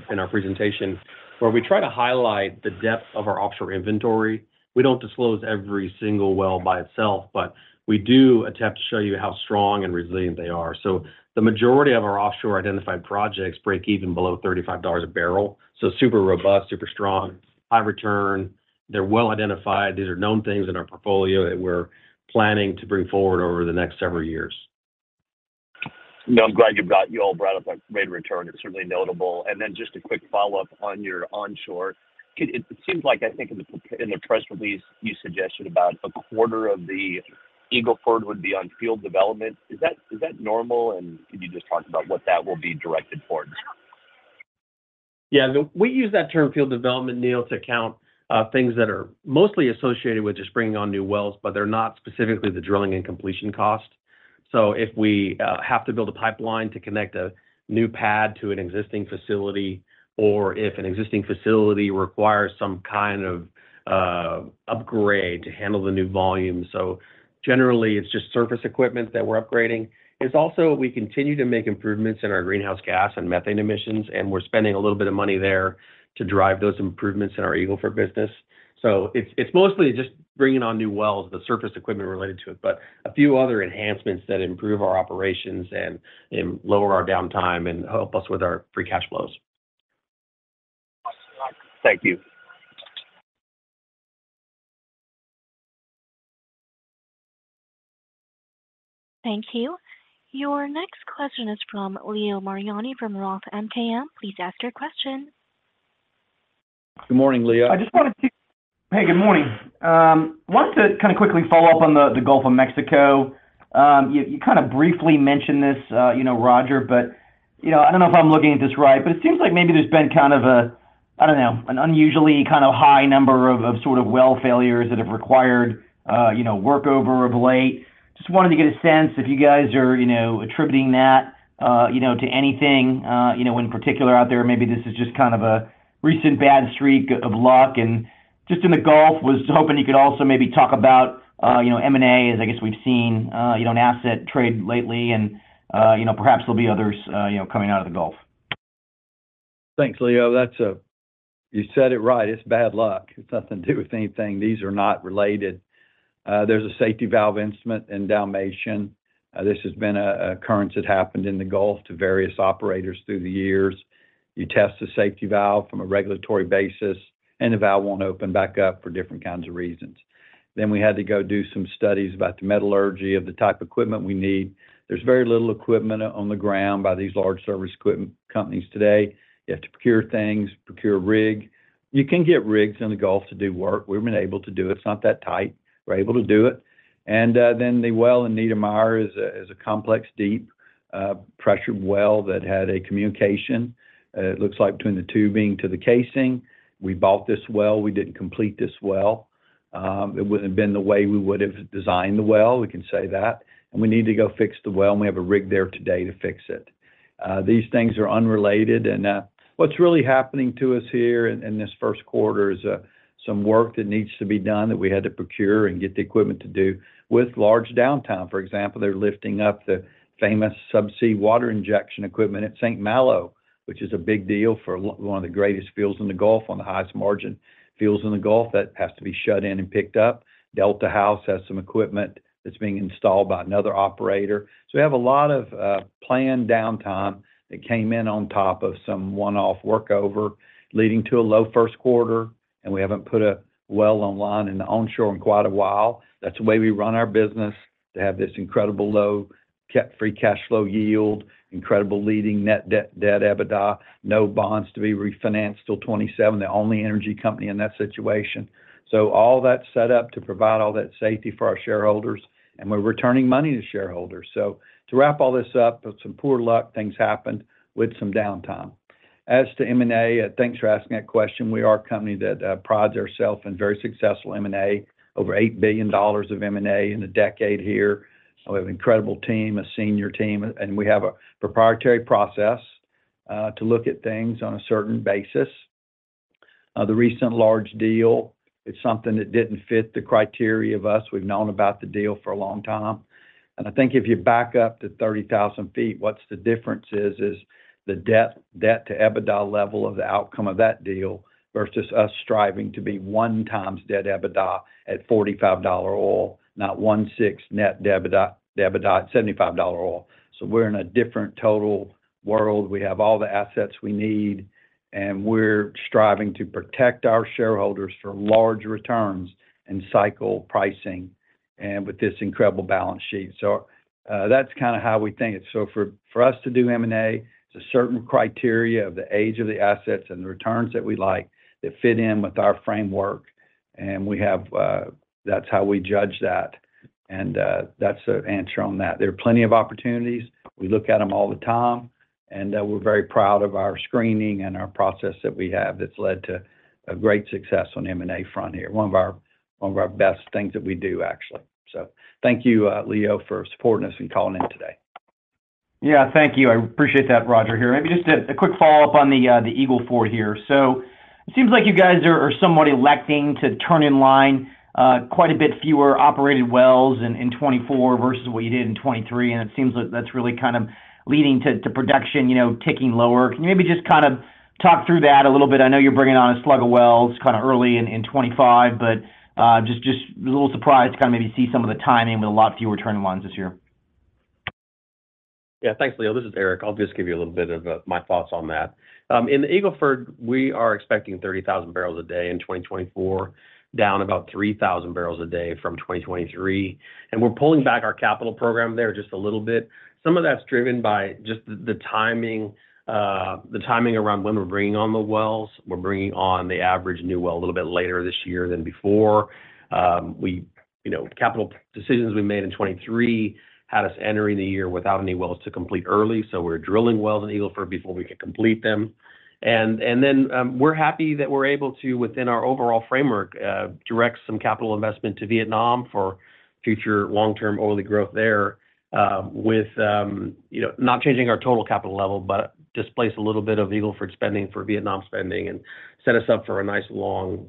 in our presentation, where we try to highlight the depth of our offshore inventory. We don't disclose every single well by itself, but we do attempt to show you how strong and resilient they are. So the majority of our offshore identified projects break even below $35 a barrel, so super robust, super strong, high return. They're well identified. These are known things in our portfolio that we're planning to bring forward over the next several years. No, I'm glad you all brought up, like, rate of return. It's certainly notable. And then just a quick follow-up on your onshore. It seems like, I think in the press release, you suggested about a quarter of the Eagle Ford would be on field development. Is that normal? And could you just talk about what that will be directed towards? Yeah. We use that term field development, Neil, to count things that are mostly associated with just bringing on new wells, but they're not specifically the drilling and completion cost. So if we have to build a pipeline to connect a new pad to an existing facility, or if an existing facility requires some kind of upgrade to handle the new volume. So generally, it's just surface equipment that we're upgrading. It's also we continue to make improvements in our greenhouse gas and methane emissions, and we're spending a little bit of money there to drive those improvements in our Eagle Ford business. So it's mostly just bringing on new wells, the surface equipment related to it, but a few other enhancements that improve our operations and lower our downtime and help us with our free cash flows. Awesome. Thank you. Thank you. Your next question is from Leo Mariani, from Roth MKM. Please ask your question. Good morning, Leo. I just wanted to. Hey, good morning. Wanted to kind of quickly follow up on the Gulf of Mexico. You kind of briefly mentioned this, you know, Roger, but, you know, I don't know if I'm looking at this right, but it seems like maybe there's been kind of a, I don't know, an unusually kind of high number of sort of well failures that have required, you know, workover of late. Just wanted to get a sense if you guys are, you know, attributing that, you know, to anything, you know, in particular out there. Maybe this is just kind of a recent bad streak of luck. Just in the Gulf, was hoping you could also maybe talk about, you know, M&A, as I guess we've seen, you know, an asset trade lately and, you know, perhaps there'll be others, you know, coming out of the Gulf. Thanks, Leo. That's a... You said it right. It's bad luck. It's nothing to do with anything. These are not related. There's a safety valve instrument in Dalmatian. This has been a current that happened in the Gulf to various operators through the years. You test the safety valve from a regulatory basis, and the valve won't open back up for different kinds of reasons. Then we had to go do some studies about the metallurgy of the type of equipment we need. There's very little equipment on the ground by these large service equipment companies today. You have to procure things, procure rig. You can get rigs in the Gulf to do work. We've been able to do it. It's not that tight. We're able to do it. Then the well in Neidermeyer is a, is a complex, deep, pressured well that had a communication, it looks like between the tubing to the casing. We bought this well. We didn't complete this well. It wouldn't have been the way we would have designed the well, we can say that, and we need to go fix the well, and we have a rig there today to fix it. These things are unrelated. What's really happening to us here in, in this first quarter is, some work that needs to be done that we had to procure and get the equipment to do with large downtime. For example, they're lifting up the famous subsea water injection equipment at St. Malo. which is a big deal for one of the greatest fields in the Gulf, on the highest margin fields in the Gulf. That has to be shut in and picked up. Delta House has some equipment that's being installed by another operator. So we have a lot of planned downtime that came in on top of some one-off workover, leading to a low first quarter, and we haven't put a well online in the onshore in quite a while. That's the way we run our business, to have this incredible low cap, free cash flow yield, incredible leading net debt, debt EBITDA, no bonds to be refinanced till 2027, the only energy company in that situation. So all that's set up to provide all that safety for our shareholders, and we're returning money to shareholders. So to wrap all this up, with some poor luck, things happened with some downtime. As to M&A, thanks for asking that question. We are a company that prides ourselves in very successful M&A, over $8 billion of M&A in a decade here. We have an incredible team, a senior team, and we have a proprietary process to look at things on a certain basis. The recent large deal, it's something that didn't fit the criteria of us. We've known about the deal for a long time, and I think if you back up to 30,000 feet, what's the difference is, is the debt, debt to EBITDA level of the outcome of that deal versus us striving to be 1x debt EBITDA at $45 oil, not 1/6 net EBITDA, EBITDA at $75 oil. So we're in a different total world. We have all the assets we need, and we're striving to protect our shareholders for large returns and cycle pricing and with this incredible balance sheet. So, that's kind of how we think. So for us to do M&A, it's a certain criteria of the age of the assets and the returns that we like, that fit in with our framework, and we have-- that's how we judge that, and, that's the answer on that. There are plenty of opportunities. We look at them all the time, and, we're very proud of our screening and our process that we have that's led to a great success on the M&A front here. One of our best things that we do, actually. So thank you, Leo, for supporting us and calling in today. Yeah, thank you. I appreciate that, Roger, here. Maybe just a quick follow-up on the Eagle Ford here. So it seems like you guys are somewhat electing to turn in line quite a bit fewer operated wells in 2024 versus what you did in 2023, and it seems like that's really kind of leading to production, you know, ticking lower. Can you maybe just kind of talk through that a little bit? I know you're bringing on a slug of wells kind of early in 2025, but just a little surprised to kind of maybe see some of the timing with a lot fewer turning lines this year. Yeah, thanks, Leo. This is Eric. I'll just give you a little bit of my thoughts on that. In the Eagle Ford, we are expecting 30,000 bbl a day in 2024, down about 3,000 bbl a day from 2023, and we're pulling back our capital program there just a little bit. Some of that's driven by just the timing around when we're bringing on the wells. We're bringing on the average new well a little bit later this year than before. We, you know, capital decisions we made in 2023 had us entering the year without any wells to complete early, so we're drilling wells in Eagle Ford before we can complete them. And then, we're happy that we're able to, within our overall framework, direct some capital investment to Vietnam for future long-term oily growth there, with, you know, not changing our total capital level, but just place a little bit of Eagle Ford spending for Vietnam spending and set us up for a nice long,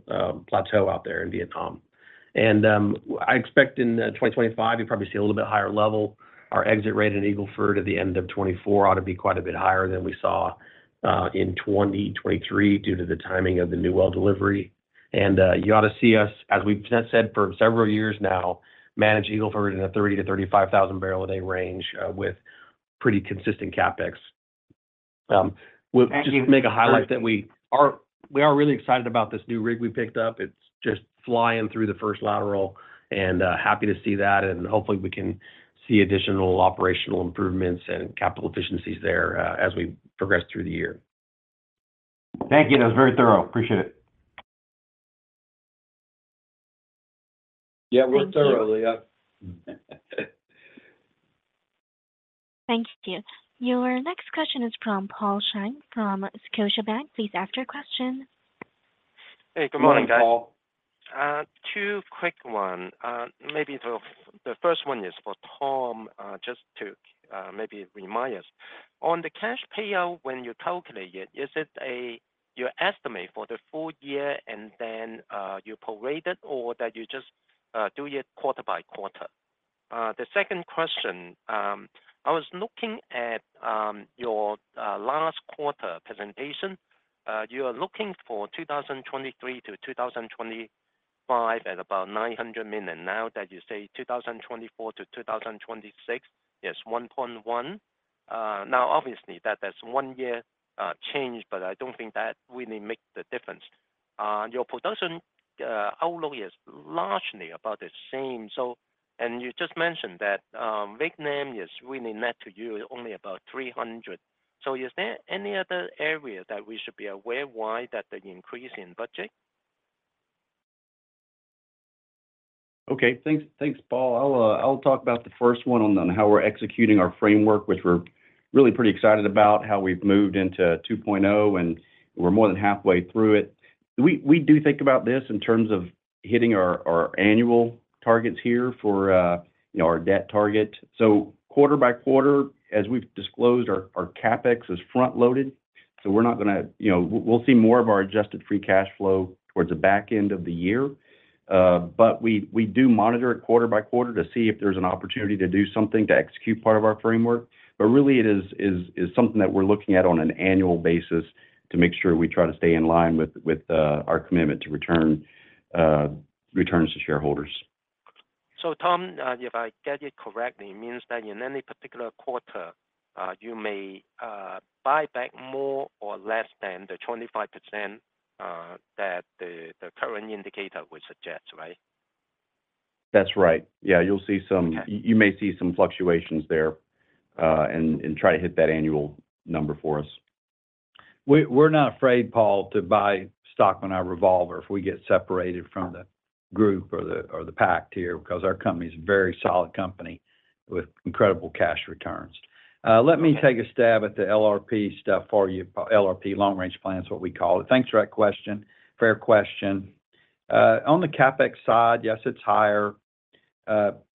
plateau out there in Vietnam. And, I expect in, 2025, you'll probably see a little bit higher level. Our exit rate in Eagle Ford at the end of 2024 ought to be quite a bit higher than we saw, in 2023 due to the timing of the new well delivery. And, you ought to see us, as we've just said for several years now, manage Eagle Ford in a 30,000 bbl-35,000 bbl a day range, with pretty consistent CapEx. We'll- Thank you. Just make a highlight that we are, we are really excited about this new rig we picked up. It's just flying through the first lateral, and happy to see that, and hopefully, we can see additional operational improvements and capital efficiencies there, as we progress through the year. Thank you. That was very thorough. Appreciate it. Yeah, real thorough, Leo. Thank you. Your next question is from Paul Cheng from Scotiabank. Please ask your question. Hey, good morning, guys. Good morning, Paul. Two quick ones. Maybe the first one is for Tom, just to maybe remind us. On the cash payout, when you calculate it, is it your estimate for the full year, and then you prorate it or that you just do it quarter by quarter? The second question, I was looking at your last quarter presentation. You are looking for 2023 to 2025 at about $900 million. Now that you say 2024 to 2026, it's $1.1 billion. Now, obviously, that is one year change, but I don't think that really make the difference. Your production outlook is largely about the same. So you just mentioned that Vietnam is really net to you, only about $300 million. So, is there any other area that we should be aware of why that the increase in budget? Okay. Thanks, thanks, Paul. I'll talk about the first one on how we're executing our framework, which we're really pretty excited about, how we've moved into 2.0, and we're more than halfway through it. We do think about this in terms of hitting our annual targets here for, you know, our debt target. So quarter by quarter, as we've disclosed, our CapEx is front-loaded, so we're not gonna, you know... We'll see more of our adjusted free cash flow towards the back end of the year. But we do monitor it quarter by quarter to see if there's an opportunity to do something to execute part of our framework. But really, it is something that we're looking at on an annual basis to make sure we try to stay in line with our commitment to return returns to shareholders. So Tom, if I get it correctly, it means that in any particular quarter, you may buy back more or less than the 25% that the current indicator would suggest, right? That's right. Yeah, you'll see some- Okay. You may see some fluctuations there, and try to hit that annual number for us. We're not afraid, Paul, to buy stock on our revolver if we get separated from the group or the pack here, because our company's a very solid company with incredible cash returns. Let me take a stab at the LRP stuff for you. LRP, long-range plan is what we call it. Thanks for that question. Fair question. On the CapEx side, yes, it's higher.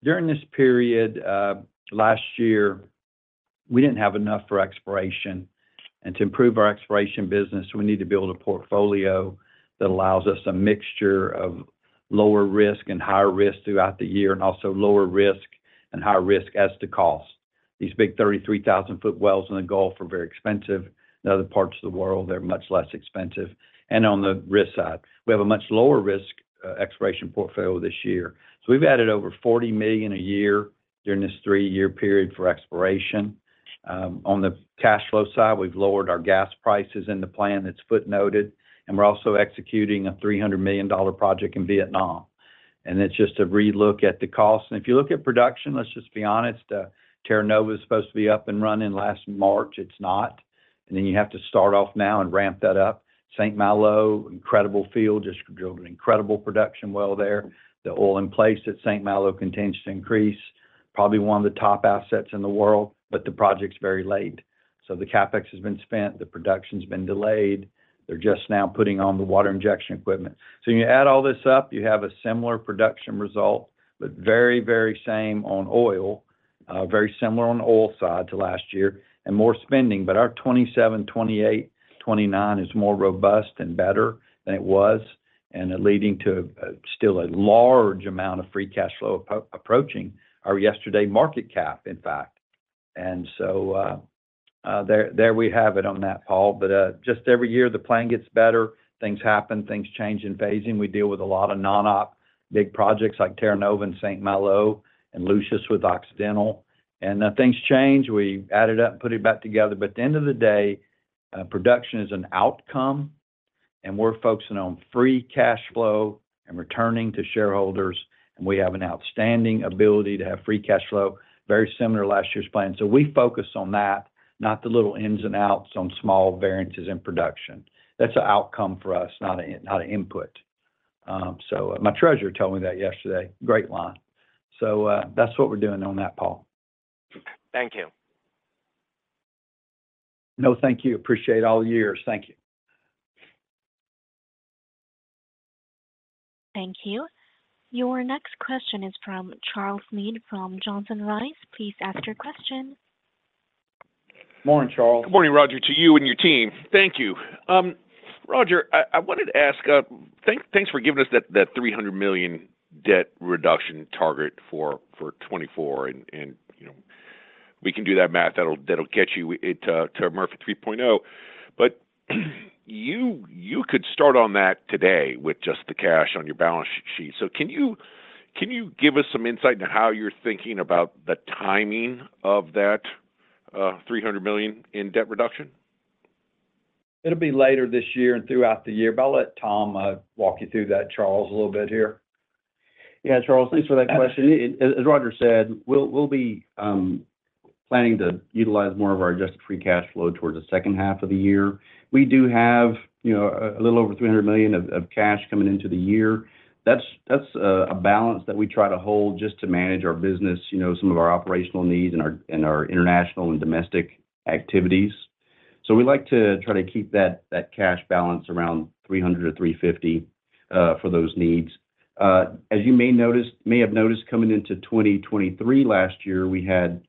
During this period last year, we didn't have enough for exploration, and to improve our exploration business, we need to build a portfolio that allows us a mixture of lower risk and higher risk throughout the year, and also lower risk and higher risk as to cost. These big 33,000-foot wells in the Gulf are very expensive. In other parts of the world, they're much less expensive. On the risk side, we have a much lower risk exploration portfolio this year. So we've added over $40 million a year during this three-year period for exploration. On the cash flow side, we've lowered our gas prices in the plan, it's footnoted, and we're also executing a $300 million project in Vietnam. And it's just to relook at the costs. And if you look at production, let's just be honest, Terra Nova was supposed to be up and running last March. It's not. And then you have to start off now and ramp that up. St. Malo, incredible field, just drilled an incredible production well there. The oil in place at St. Malo continues to increase. Probably one of the top assets in the world, but the project's very late. So the CapEx has been spent, the production's been delayed. They're just now putting on the water injection equipment. So when you add all this up, you have a similar production result, but very, very same on oil, very similar on the oil side to last year, and more spending. But our 2027, 2028, 2029 is more robust and better than it was, and leading to, still a large amount of free cash flow approaching our yesterday market cap, in fact. And so, there, there we have it on that, Paul. But, just every year, the plan gets better, things happen, things change in phasing. We deal with a lot of non-op, big projects like Terra Nova and St. Malo and Lucius with Occidental, and, things change. We add it up and put it back together. At the end of the day, production is an outcome, and we're focusing on free cash flow and returning to shareholders, and we have an outstanding ability to have free cash flow, very similar to last year's plan. We focus on that, not the little ins and outs on small variances in production. That's an outcome for us, not a, not an input. My treasurer told me that yesterday. Great line. That's what we're doing on that, Paul. Thank you. No, thank you. Appreciate all the years. Thank you. Thank you. Your next question is from Charles Meade from Johnson Rice. Please ask your question. Morning, Charles. Good morning, Roger, to you and your team. Thank you. Roger, I wanted to ask. Thanks for giving us that $300 million debt reduction target for 2024, and you know, we can do that math, that'll get you to Murphy 3.0. But you could start on that today with just the cash on your balance sheet. So can you give us some insight into how you're thinking about the timing of that $300 million in debt reduction? It'll be later this year and throughout the year, but I'll let Tom walk you through that, Charles, a little bit here. Yeah, Charles, thanks for that question. As Roger said, we'll be planning to utilize more of our adjusted free cash flow towards the second half of the year. We do have, you know, a little over $300 million of cash coming into the year. That's a balance that we try to hold just to manage our business, you know, some of our operational needs and our international and domestic activities. So we like to try to keep that cash balance around $300 million-$350 million for those needs. As you may have noticed, coming into 2023 last year, we had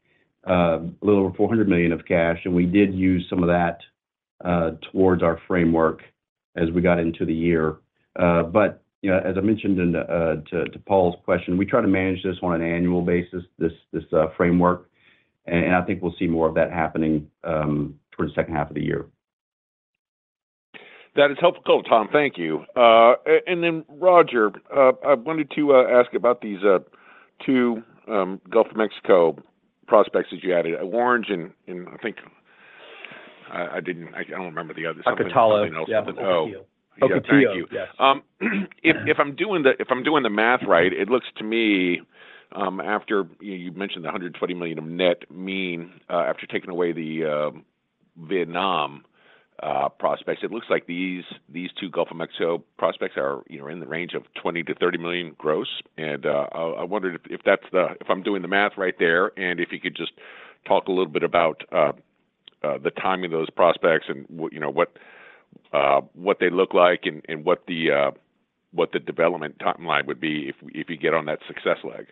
a little over $400 million of cash, and we did use some of that towards our framework as we got into the year. But, you know, as I mentioned in to Paul's question, we try to manage this on an annual basis, this framework, and I think we'll see more of that happening towards the second half of the year. That is helpful, Tom. Thank you. And then, Roger, I wanted to ask about these two Gulf of Mexico prospects that you added, Orange and, and I think, I didn't, I don't remember the other- Ocotillo. Ocotillo. Yeah. Oh. Ocotillo. Thank you. Yes. If I'm doing the math right, it looks to me, after you mentioned the $120 million of net mean, after taking away the Vietnam prospects, it looks like these two Gulf of Mexico prospects are, you know, in the range of $20 million-$30 million gross. And I wondered if that's the—if I'm doing the math right there, and if you could just talk a little bit about the timing of those prospects and what, you know, what they look like, and what the development timeline would be if you get on that success leg.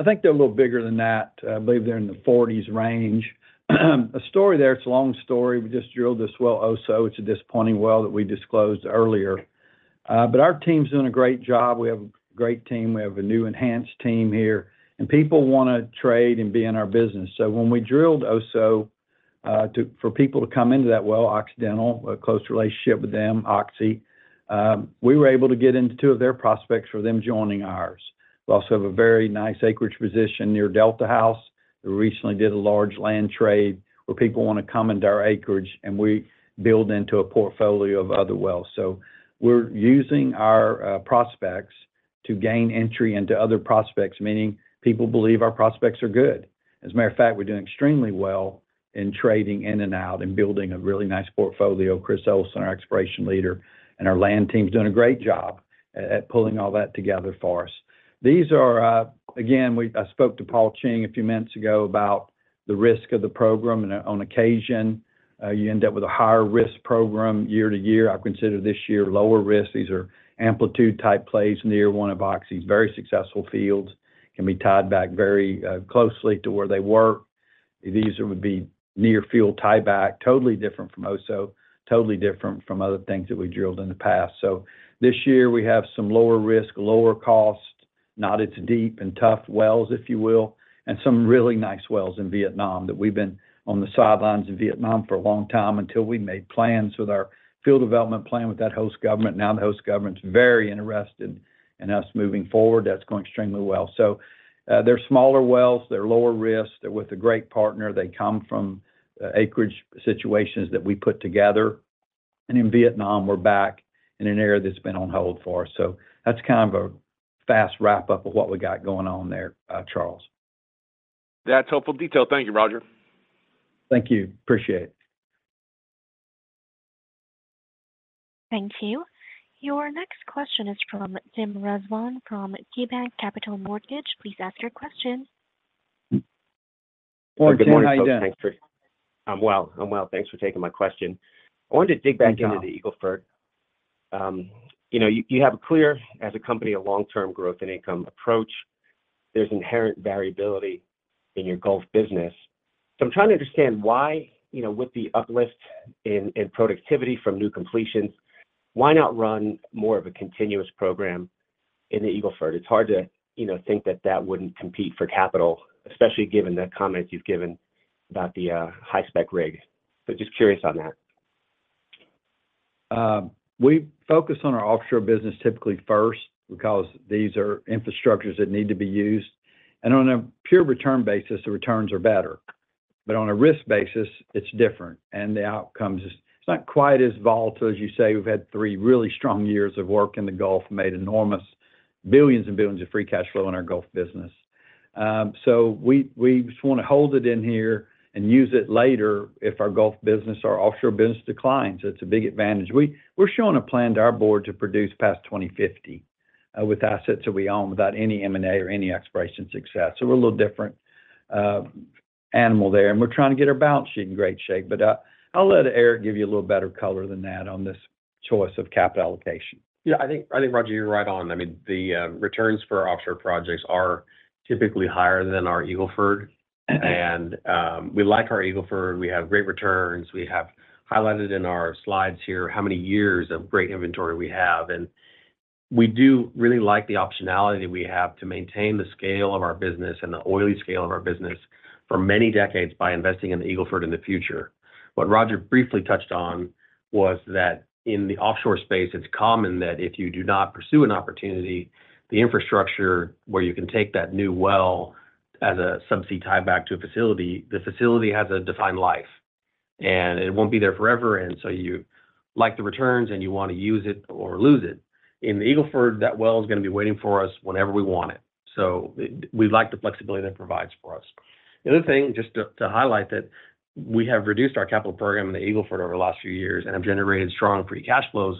I think they're a little bigger than that. I believe they're in the forties range. A story there, it's a long story. We just drilled this well, Oso. It's a disappointing well that we disclosed earlier. But our team's doing a great job. We have a great team. We have a new enhanced team here, and people wanna trade and be in our business. So when we drilled Oso, for people to come into that well, Occidental, a close relationship with them, Oxy. We were able to get into two of their prospects for them joining ours. We also have a very nice acreage position near Delta House. We recently did a large land trade, where people want to come into our acreage, and we build into a portfolio of other wells. So we're using our prospects to gain entry into other prospects, meaning people believe our prospects are good. As a matter of fact, we're doing extremely well in trading in and out and building a really nice portfolio. Chris Ellison, our exploration leader, and our land team, has done a great job at pulling all that together for us. These are... Again, I spoke to Paul Cheng a few minutes ago about the risk of the program, and on occasion, you end up with a higher risk program year to year. I consider this year lower risk. These are amplitude-type plays near one of Oxy's very successful fields, can be tied back very closely to where they work. These would be near field tie-back, totally different from Oso, totally different from other things that we drilled in the past. So this year we have some lower risk, lower cost, not as deep and tough wells, if you will, and some really nice wells in Vietnam, that we've been on the sidelines in Vietnam for a long time, until we made plans with our field development plan with that host government. Now, the host government's very interested in us moving forward. That's going extremely well. So, they're smaller wells, they're lower risk. They're with a great partner. They come from, acreage situations that we put together. And in Vietnam, we're back in an area that's been on hold for us. So that's kind of a fast wrap-up of what we got going on there, Charles. That's helpful detail. Thank you, Roger. Thank you. Appreciate it. Thank you. Your next question is from Tim Rezvan, from KeyBanc Capital Markets. Please ask your question. Well, good morning, folks. Hi, Tim. Thanks for... I'm well. I'm well. Thanks for taking my question. I wanted to dig back into the Eagle Ford. You know, you have a clear, as a company, a long-term growth and income approach. There's inherent variability in your Gulf business. So I'm trying to understand why, you know, with the uplift in productivity from new completions, why not run more of a continuous program in the Eagle Ford? It's hard to, you know, think that that wouldn't compete for capital, especially given the comments you've given about the high-spec rigs. So just curious on that. We focus on our offshore business typically first, because these are infrastructures that need to be used, and on a pure return basis, the returns are better. But on a risk basis, it's different, and the outcome is, it's not quite as volatile. As you say, we've had three really strong years of work in the Gulf, made enormous billions and billions of free cash flow in our Gulf business. So we just want to hold it in here and use it later if our Gulf business, our offshore business declines. It's a big advantage. We're showing a plan to our board to produce past 2050 with assets that we own, without any M&A or any exploration success. So we're a little different animal there, and we're trying to get our balance sheet in great shape. But, I'll let Eric give you a little better color than that on this choice of capital allocation. Yeah, I think, Roger, you're right on. I mean, the returns for our offshore projects are typically higher than our Eagle Ford. We like our Eagle Ford. We have great returns. We have highlighted in our slides here how many years of great inventory we have, and we do really like the optionality we have to maintain the scale of our business and the oily scale of our business for many decades by investing in the Eagle Ford in the future. What Roger briefly touched on was that in the offshore space, it's common that if you do not pursue an opportunity, the infrastructure where you can take that new well as a subsea tieback to a facility, the facility has a defined life, and it won't be there forever, and so you like the returns, and you want to use it or lose it. In the Eagle Ford, that well is going to be waiting for us whenever we want it, so we like the flexibility that provides for us. The other thing, just to highlight that we have reduced our capital program in the Eagle Ford over the last few years and have generated strong free cash flows,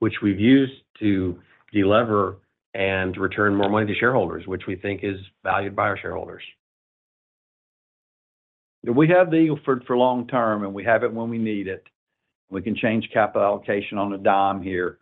which we've used to delever and return more money to shareholders, which we think is valued by our shareholders. We have the Eagle Ford for long term, and we have it when we need it. We can change capital allocation on a dime here.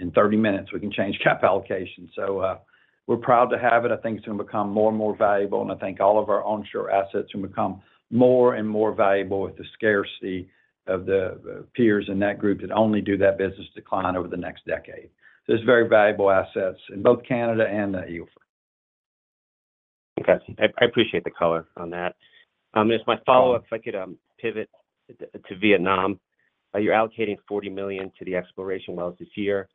In 30 minutes, we can change capital allocation. So, we're proud to have it. I think it's going to become more and more valuable, and I think all of our onshore assets will become more and more valuable with the scarcity of the, the peers in that group that only do that business decline over the next decade. So it's very valuable assets in both Canada and the Eagle Ford. Okay. I, I appreciate the color on that. As my follow-up, if I could, pivot to Vietnam. You're allocating $40 million to the exploration wells this year.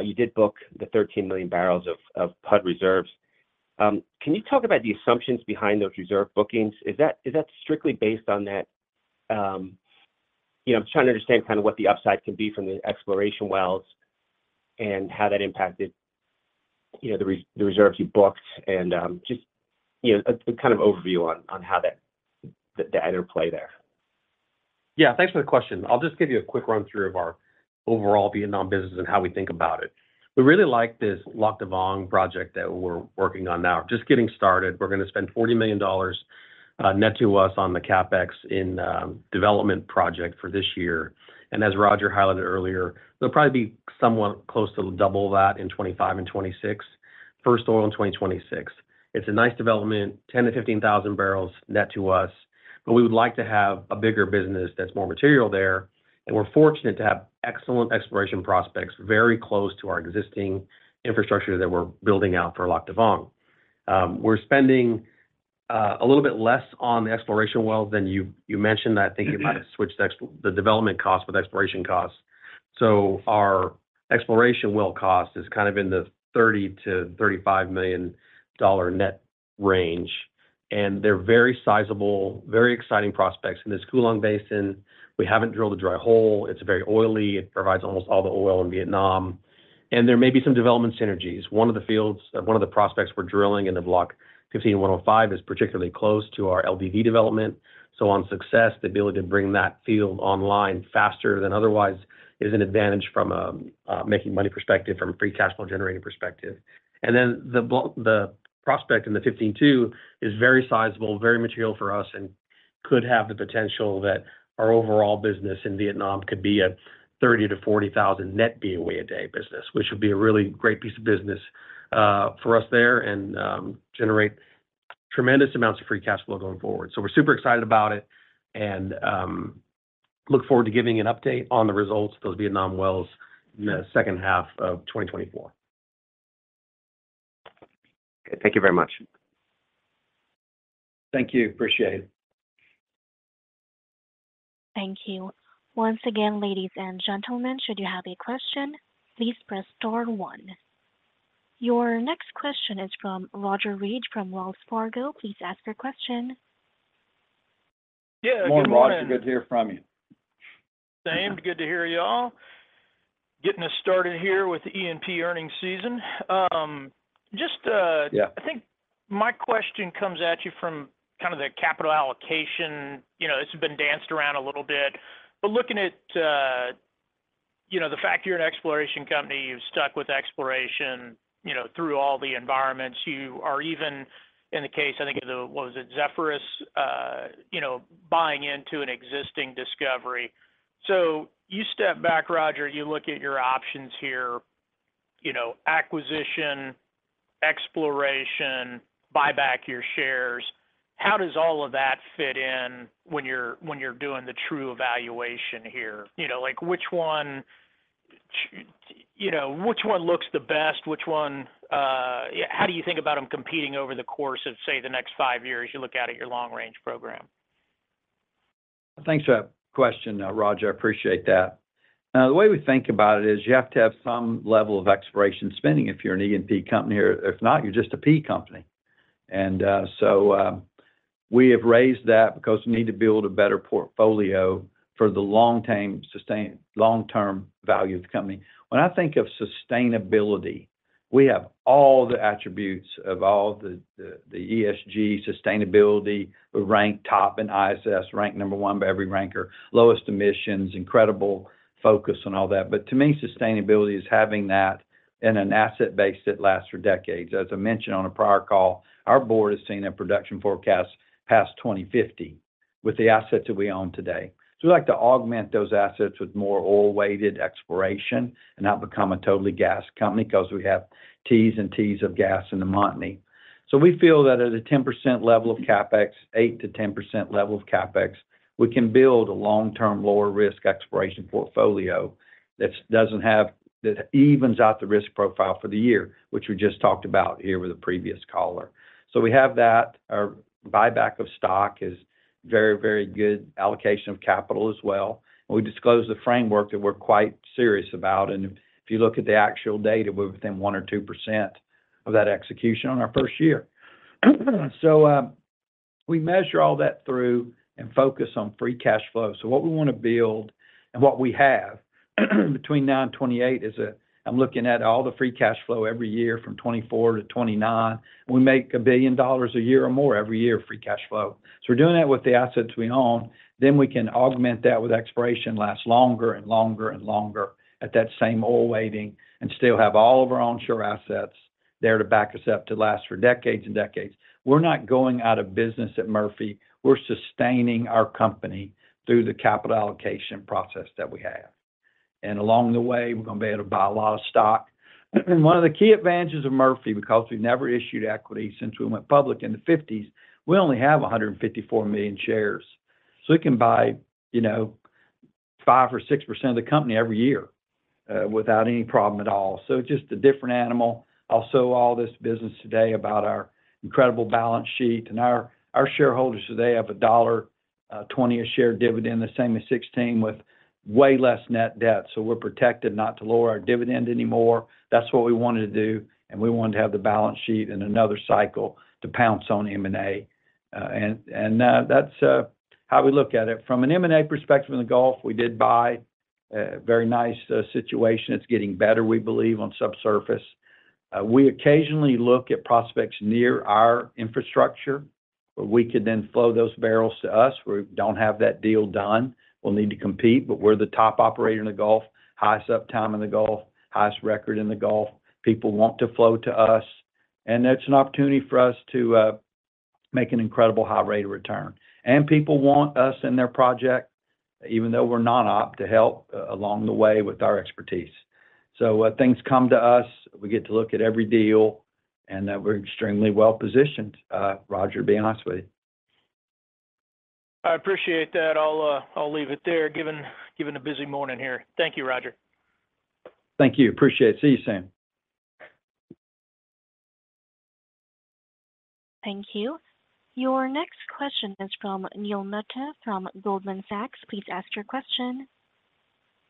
You did book the 13 million bbl of proved reserves. Can you talk about the assumptions behind those reserve bookings? Is that strictly based on that... You know, I'm trying to understand kind of what the upside could be from the exploration wells and how that impacted, you know, the reserves you booked and, just, you know, a kind of overview on how that, the interplay there. Yeah. Thanks for the question. I'll just give you a quick run-through of our overall Vietnam business and how we think about it. We really like this Lạc Đà Vàng project that we're working on now. Just getting started. We're going to spend $40 million, net to us, on the CapEx in development project for this year. And as Roger highlighted earlier, there'll probably be somewhat close to double that in 2025 and 2026. First oil in 2026. It's a nice development, 10,000 bbl-15,000 bbl net to us, but we would like to have a bigger business that's more material there, and we're fortunate to have excellent exploration prospects very close to our existing infrastructure that we're building out for Lạc Đà Vàng. We're spending a little bit less on the exploration wells than you mentioned that thinking about it Switch the ex, the development cost with exploration costs. So our exploration well cost is kind of in the $30 million-$35 million net range, and they're very sizable, very exciting prospects. In this Cuu Long Basin, we haven't drilled a dry hole. It's very oily. It provides almost all the oil in Vietnam, and there may be some development synergies. One of the fields, one of the prospects we're drilling in the Block 15-1/05 is particularly close to our LDV development. So on success, the ability to bring that field online faster than otherwise is an advantage from a, a making money perspective, from a free cash flow generating perspective. And then the block—the prospect in the 15-2 is very sizable, very material for us, and could have the potential that our overall business in Vietnam could be a 30,000-40,000 net BOE a day business, which would be a really great piece of business for us there and generate tremendous amounts of free cash flow going forward. So we're super excited about it and look forward to giving an update on the results of those Vietnam wells in the second half of 2024. Thank you very much. Thank you. Appreciate it. Thank you. Once again, ladies and gentlemen, should you have a question, please press star one. Your next question is from Roger Read from Wells Fargo. Please ask your question. Yeah, good morning. Good morning, Roger. Good to hear from you. Same. Good to hear you all. Getting us started here with the E&P earnings season. Yeah. I think my question comes at you from kind of the capital allocation. You know, it's been danced around a little bit, but looking at, you know, the fact you're an exploration company, you've stuck with exploration, you know, through all the environments, you are even in the case, I think it was, Zephyrus, you know, buying into an existing discovery. So you step back, Roger, you look at your options here, you know, acquisition, exploration, buy back your shares. How does all of that fit in when you're, when you're doing the true evaluation here? You know, like, which one, you know, which one looks the best? Which one, how do you think about them competing over the course of, say, the next five years, you look out at your long range program? Thanks for that question, Roger. I appreciate that. The way we think about it is you have to have some level of exploration spending if you're an E&P company, or if not, you're just a P company. And so, we have raised that because we need to build a better portfolio for the long-term value of the company. When I think of sustainability, we have all the attributes of the ESG sustainability. We're ranked top in ISS, ranked number one by every ranker, lowest emissions, incredible focus on all that. But to me, sustainability is having that in an asset base that lasts for decades. As I mentioned on a prior call, our board has seen a production forecast past 2050 with the assets that we own today. So we like to augment those assets with more oil-weighted exploration and not become a totally gas company because we have tees and tees of gas in the Montney. So we feel that at a 10% level of CapEx, 8%-10% level of CapEx, we can build a long-term, lower risk exploration portfolio that evens out the risk profile for the year, which we just talked about here with a previous caller. So we have that. Our buyback of stock is very, very good allocation of capital as well. We disclose the framework that we're quite serious about, and if you look at the actual data, we're within 1%-2% of that execution on our first year. So we measure all that through and focus on free cash flow. So what we want to build and what we have, between now and 2028 is, I'm looking at all the free cash flow every year from 2024 to 2029. We make $1 billion a year or more every year, free cash flow. So we're doing that with the assets we own. Then we can augment that with exploration, last longer and longer and longer at that same oil weighting, and still have all of our onshore assets there to back us up to last for decades and decades. We're not going out of business at Murphy. We're sustaining our company through the capital allocation process that we have. And along the way, we're gonna be able to buy a lot of stock. One of the key advantages of Murphy, because we've never issued equity since we went public in the fifties, we only have 154 million shares. So we can buy, you know, 5% or 6% of the company every year without any problem at all. So just a different animal. Also, all this business today about our incredible balance sheet and our shareholders today have a $20 a share dividend, the same as 2016, with way less net debt. So we're protected not to lower our dividend anymore. That's what we wanted to do, and we wanted to have the balance sheet in another cycle to pounce on M&A. And that's how we look at it. From an M&A perspective in the Gulf, we did buy a very nice situation. It's getting better, we believe, on subsurface. We occasionally look at prospects near our infrastructure, where we could then flow those barrels to us. We don't have that deal done. We'll need to compete, but we're the top operator in the Gulf, highest uptime in the Gulf, highest record in the Gulf. People want to flow to us, and that's an opportunity for us to make an incredible high rate of return. And people want us in their project, even though we're not op, to help along the way with our expertise. So when things come to us, we get to look at every deal, and that we're extremely well positioned, Roger, to be honest with you. I appreciate that. I'll, I'll leave it there, given, given a busy morning here. Thank you, Roger. Thank you. Appreciate it. See you soon. Thank you. Your next question is from Neil Mehta from Goldman Sachs. Please ask your question.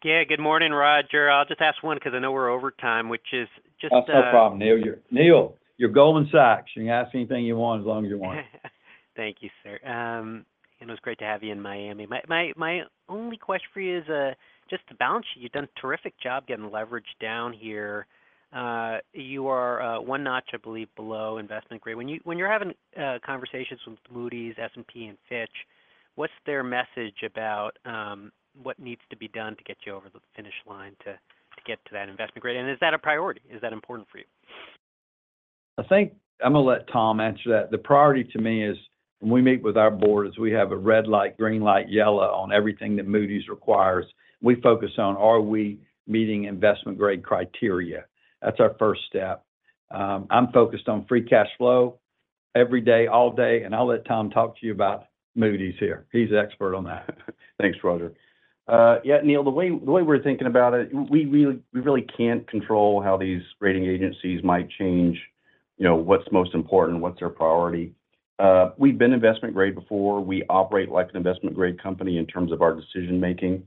Yeah, good morning, Roger. I'll just ask one because I know we're over time, which is just, That's no problem, Neil. Neil, you're Goldman Sachs, you can ask anything you want as long as you want. Thank you, sir. And it was great to have you in Miami. My only question for you is just to balance. You've done a terrific job getting leverage down here. You are one notch, I believe, below investment grade. When you're having conversations with Moody's, S&P, and Fitch, what's their message about what needs to be done to get you over the finish line to get to that investment grade? And is that a priority? Is that important for you? I think I'm going to let Tom answer that. The priority to me is, when we meet with our board, is we have a red light, green light, yellow on everything that Moody's requires. We focus on are we meeting investment-grade criteria? That's our first step. I'm focused on free cash flow every day, all day, and I'll let Tom talk to you about Moody's here. He's the expert on that. Thanks, Roger. Yeah, Neil, the way, the way we're thinking about it, we really, we really can't control how these rating agencies might change, you know, what's most important, what's their priority. We've been investment grade before. We operate like an investment-grade company in terms of our decision-making.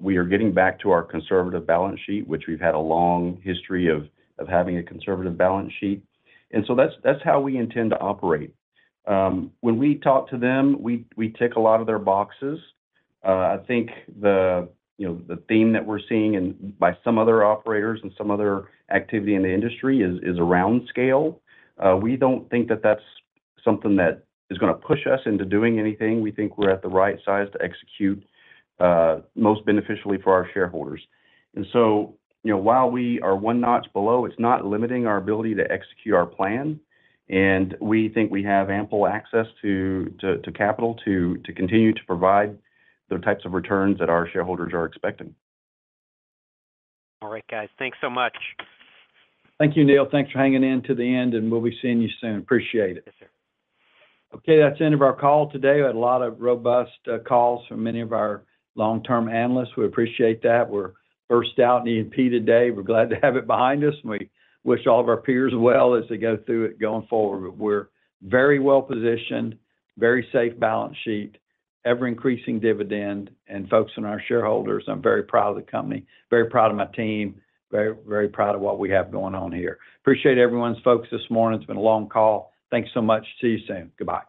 We are getting back to our conservative balance sheet, which we've had a long history of, of having a conservative balance sheet, and so that's, that's how we intend to operate. When we talk to them, we, we tick a lot of their boxes. I think the, you know, the theme that we're seeing in by some other operators and some other activity in the industry is, is around scale. We don't think that that's something that is going to push us into doing anything. We think we're at the right size to execute most beneficially for our shareholders. And so, you know, while we are one notch below, it's not limiting our ability to execute our plan, and we think we have ample access to capital to continue to provide the types of returns that our shareholders are expecting. All right, guys. Thanks so much. Thank you, Neil. Thanks for hanging in to the end, and we'll be seeing you soon. Appreciate it. Yes, sir. Okay, that's the end of our call today. We had a lot of robust calls from many of our long-term analysts. We appreciate that. We're first out in E&P today. We're glad to have it behind us, and we wish all of our peers well as they go through it going forward. We're very well-positioned, very safe balance sheet, ever-increasing dividend. And folks and our shareholders, I'm very proud of the company, very proud of my team, very, very proud of what we have going on here. Appreciate everyone's focus this morning. It's been a long call. Thank you so much. See you soon. Goodbye.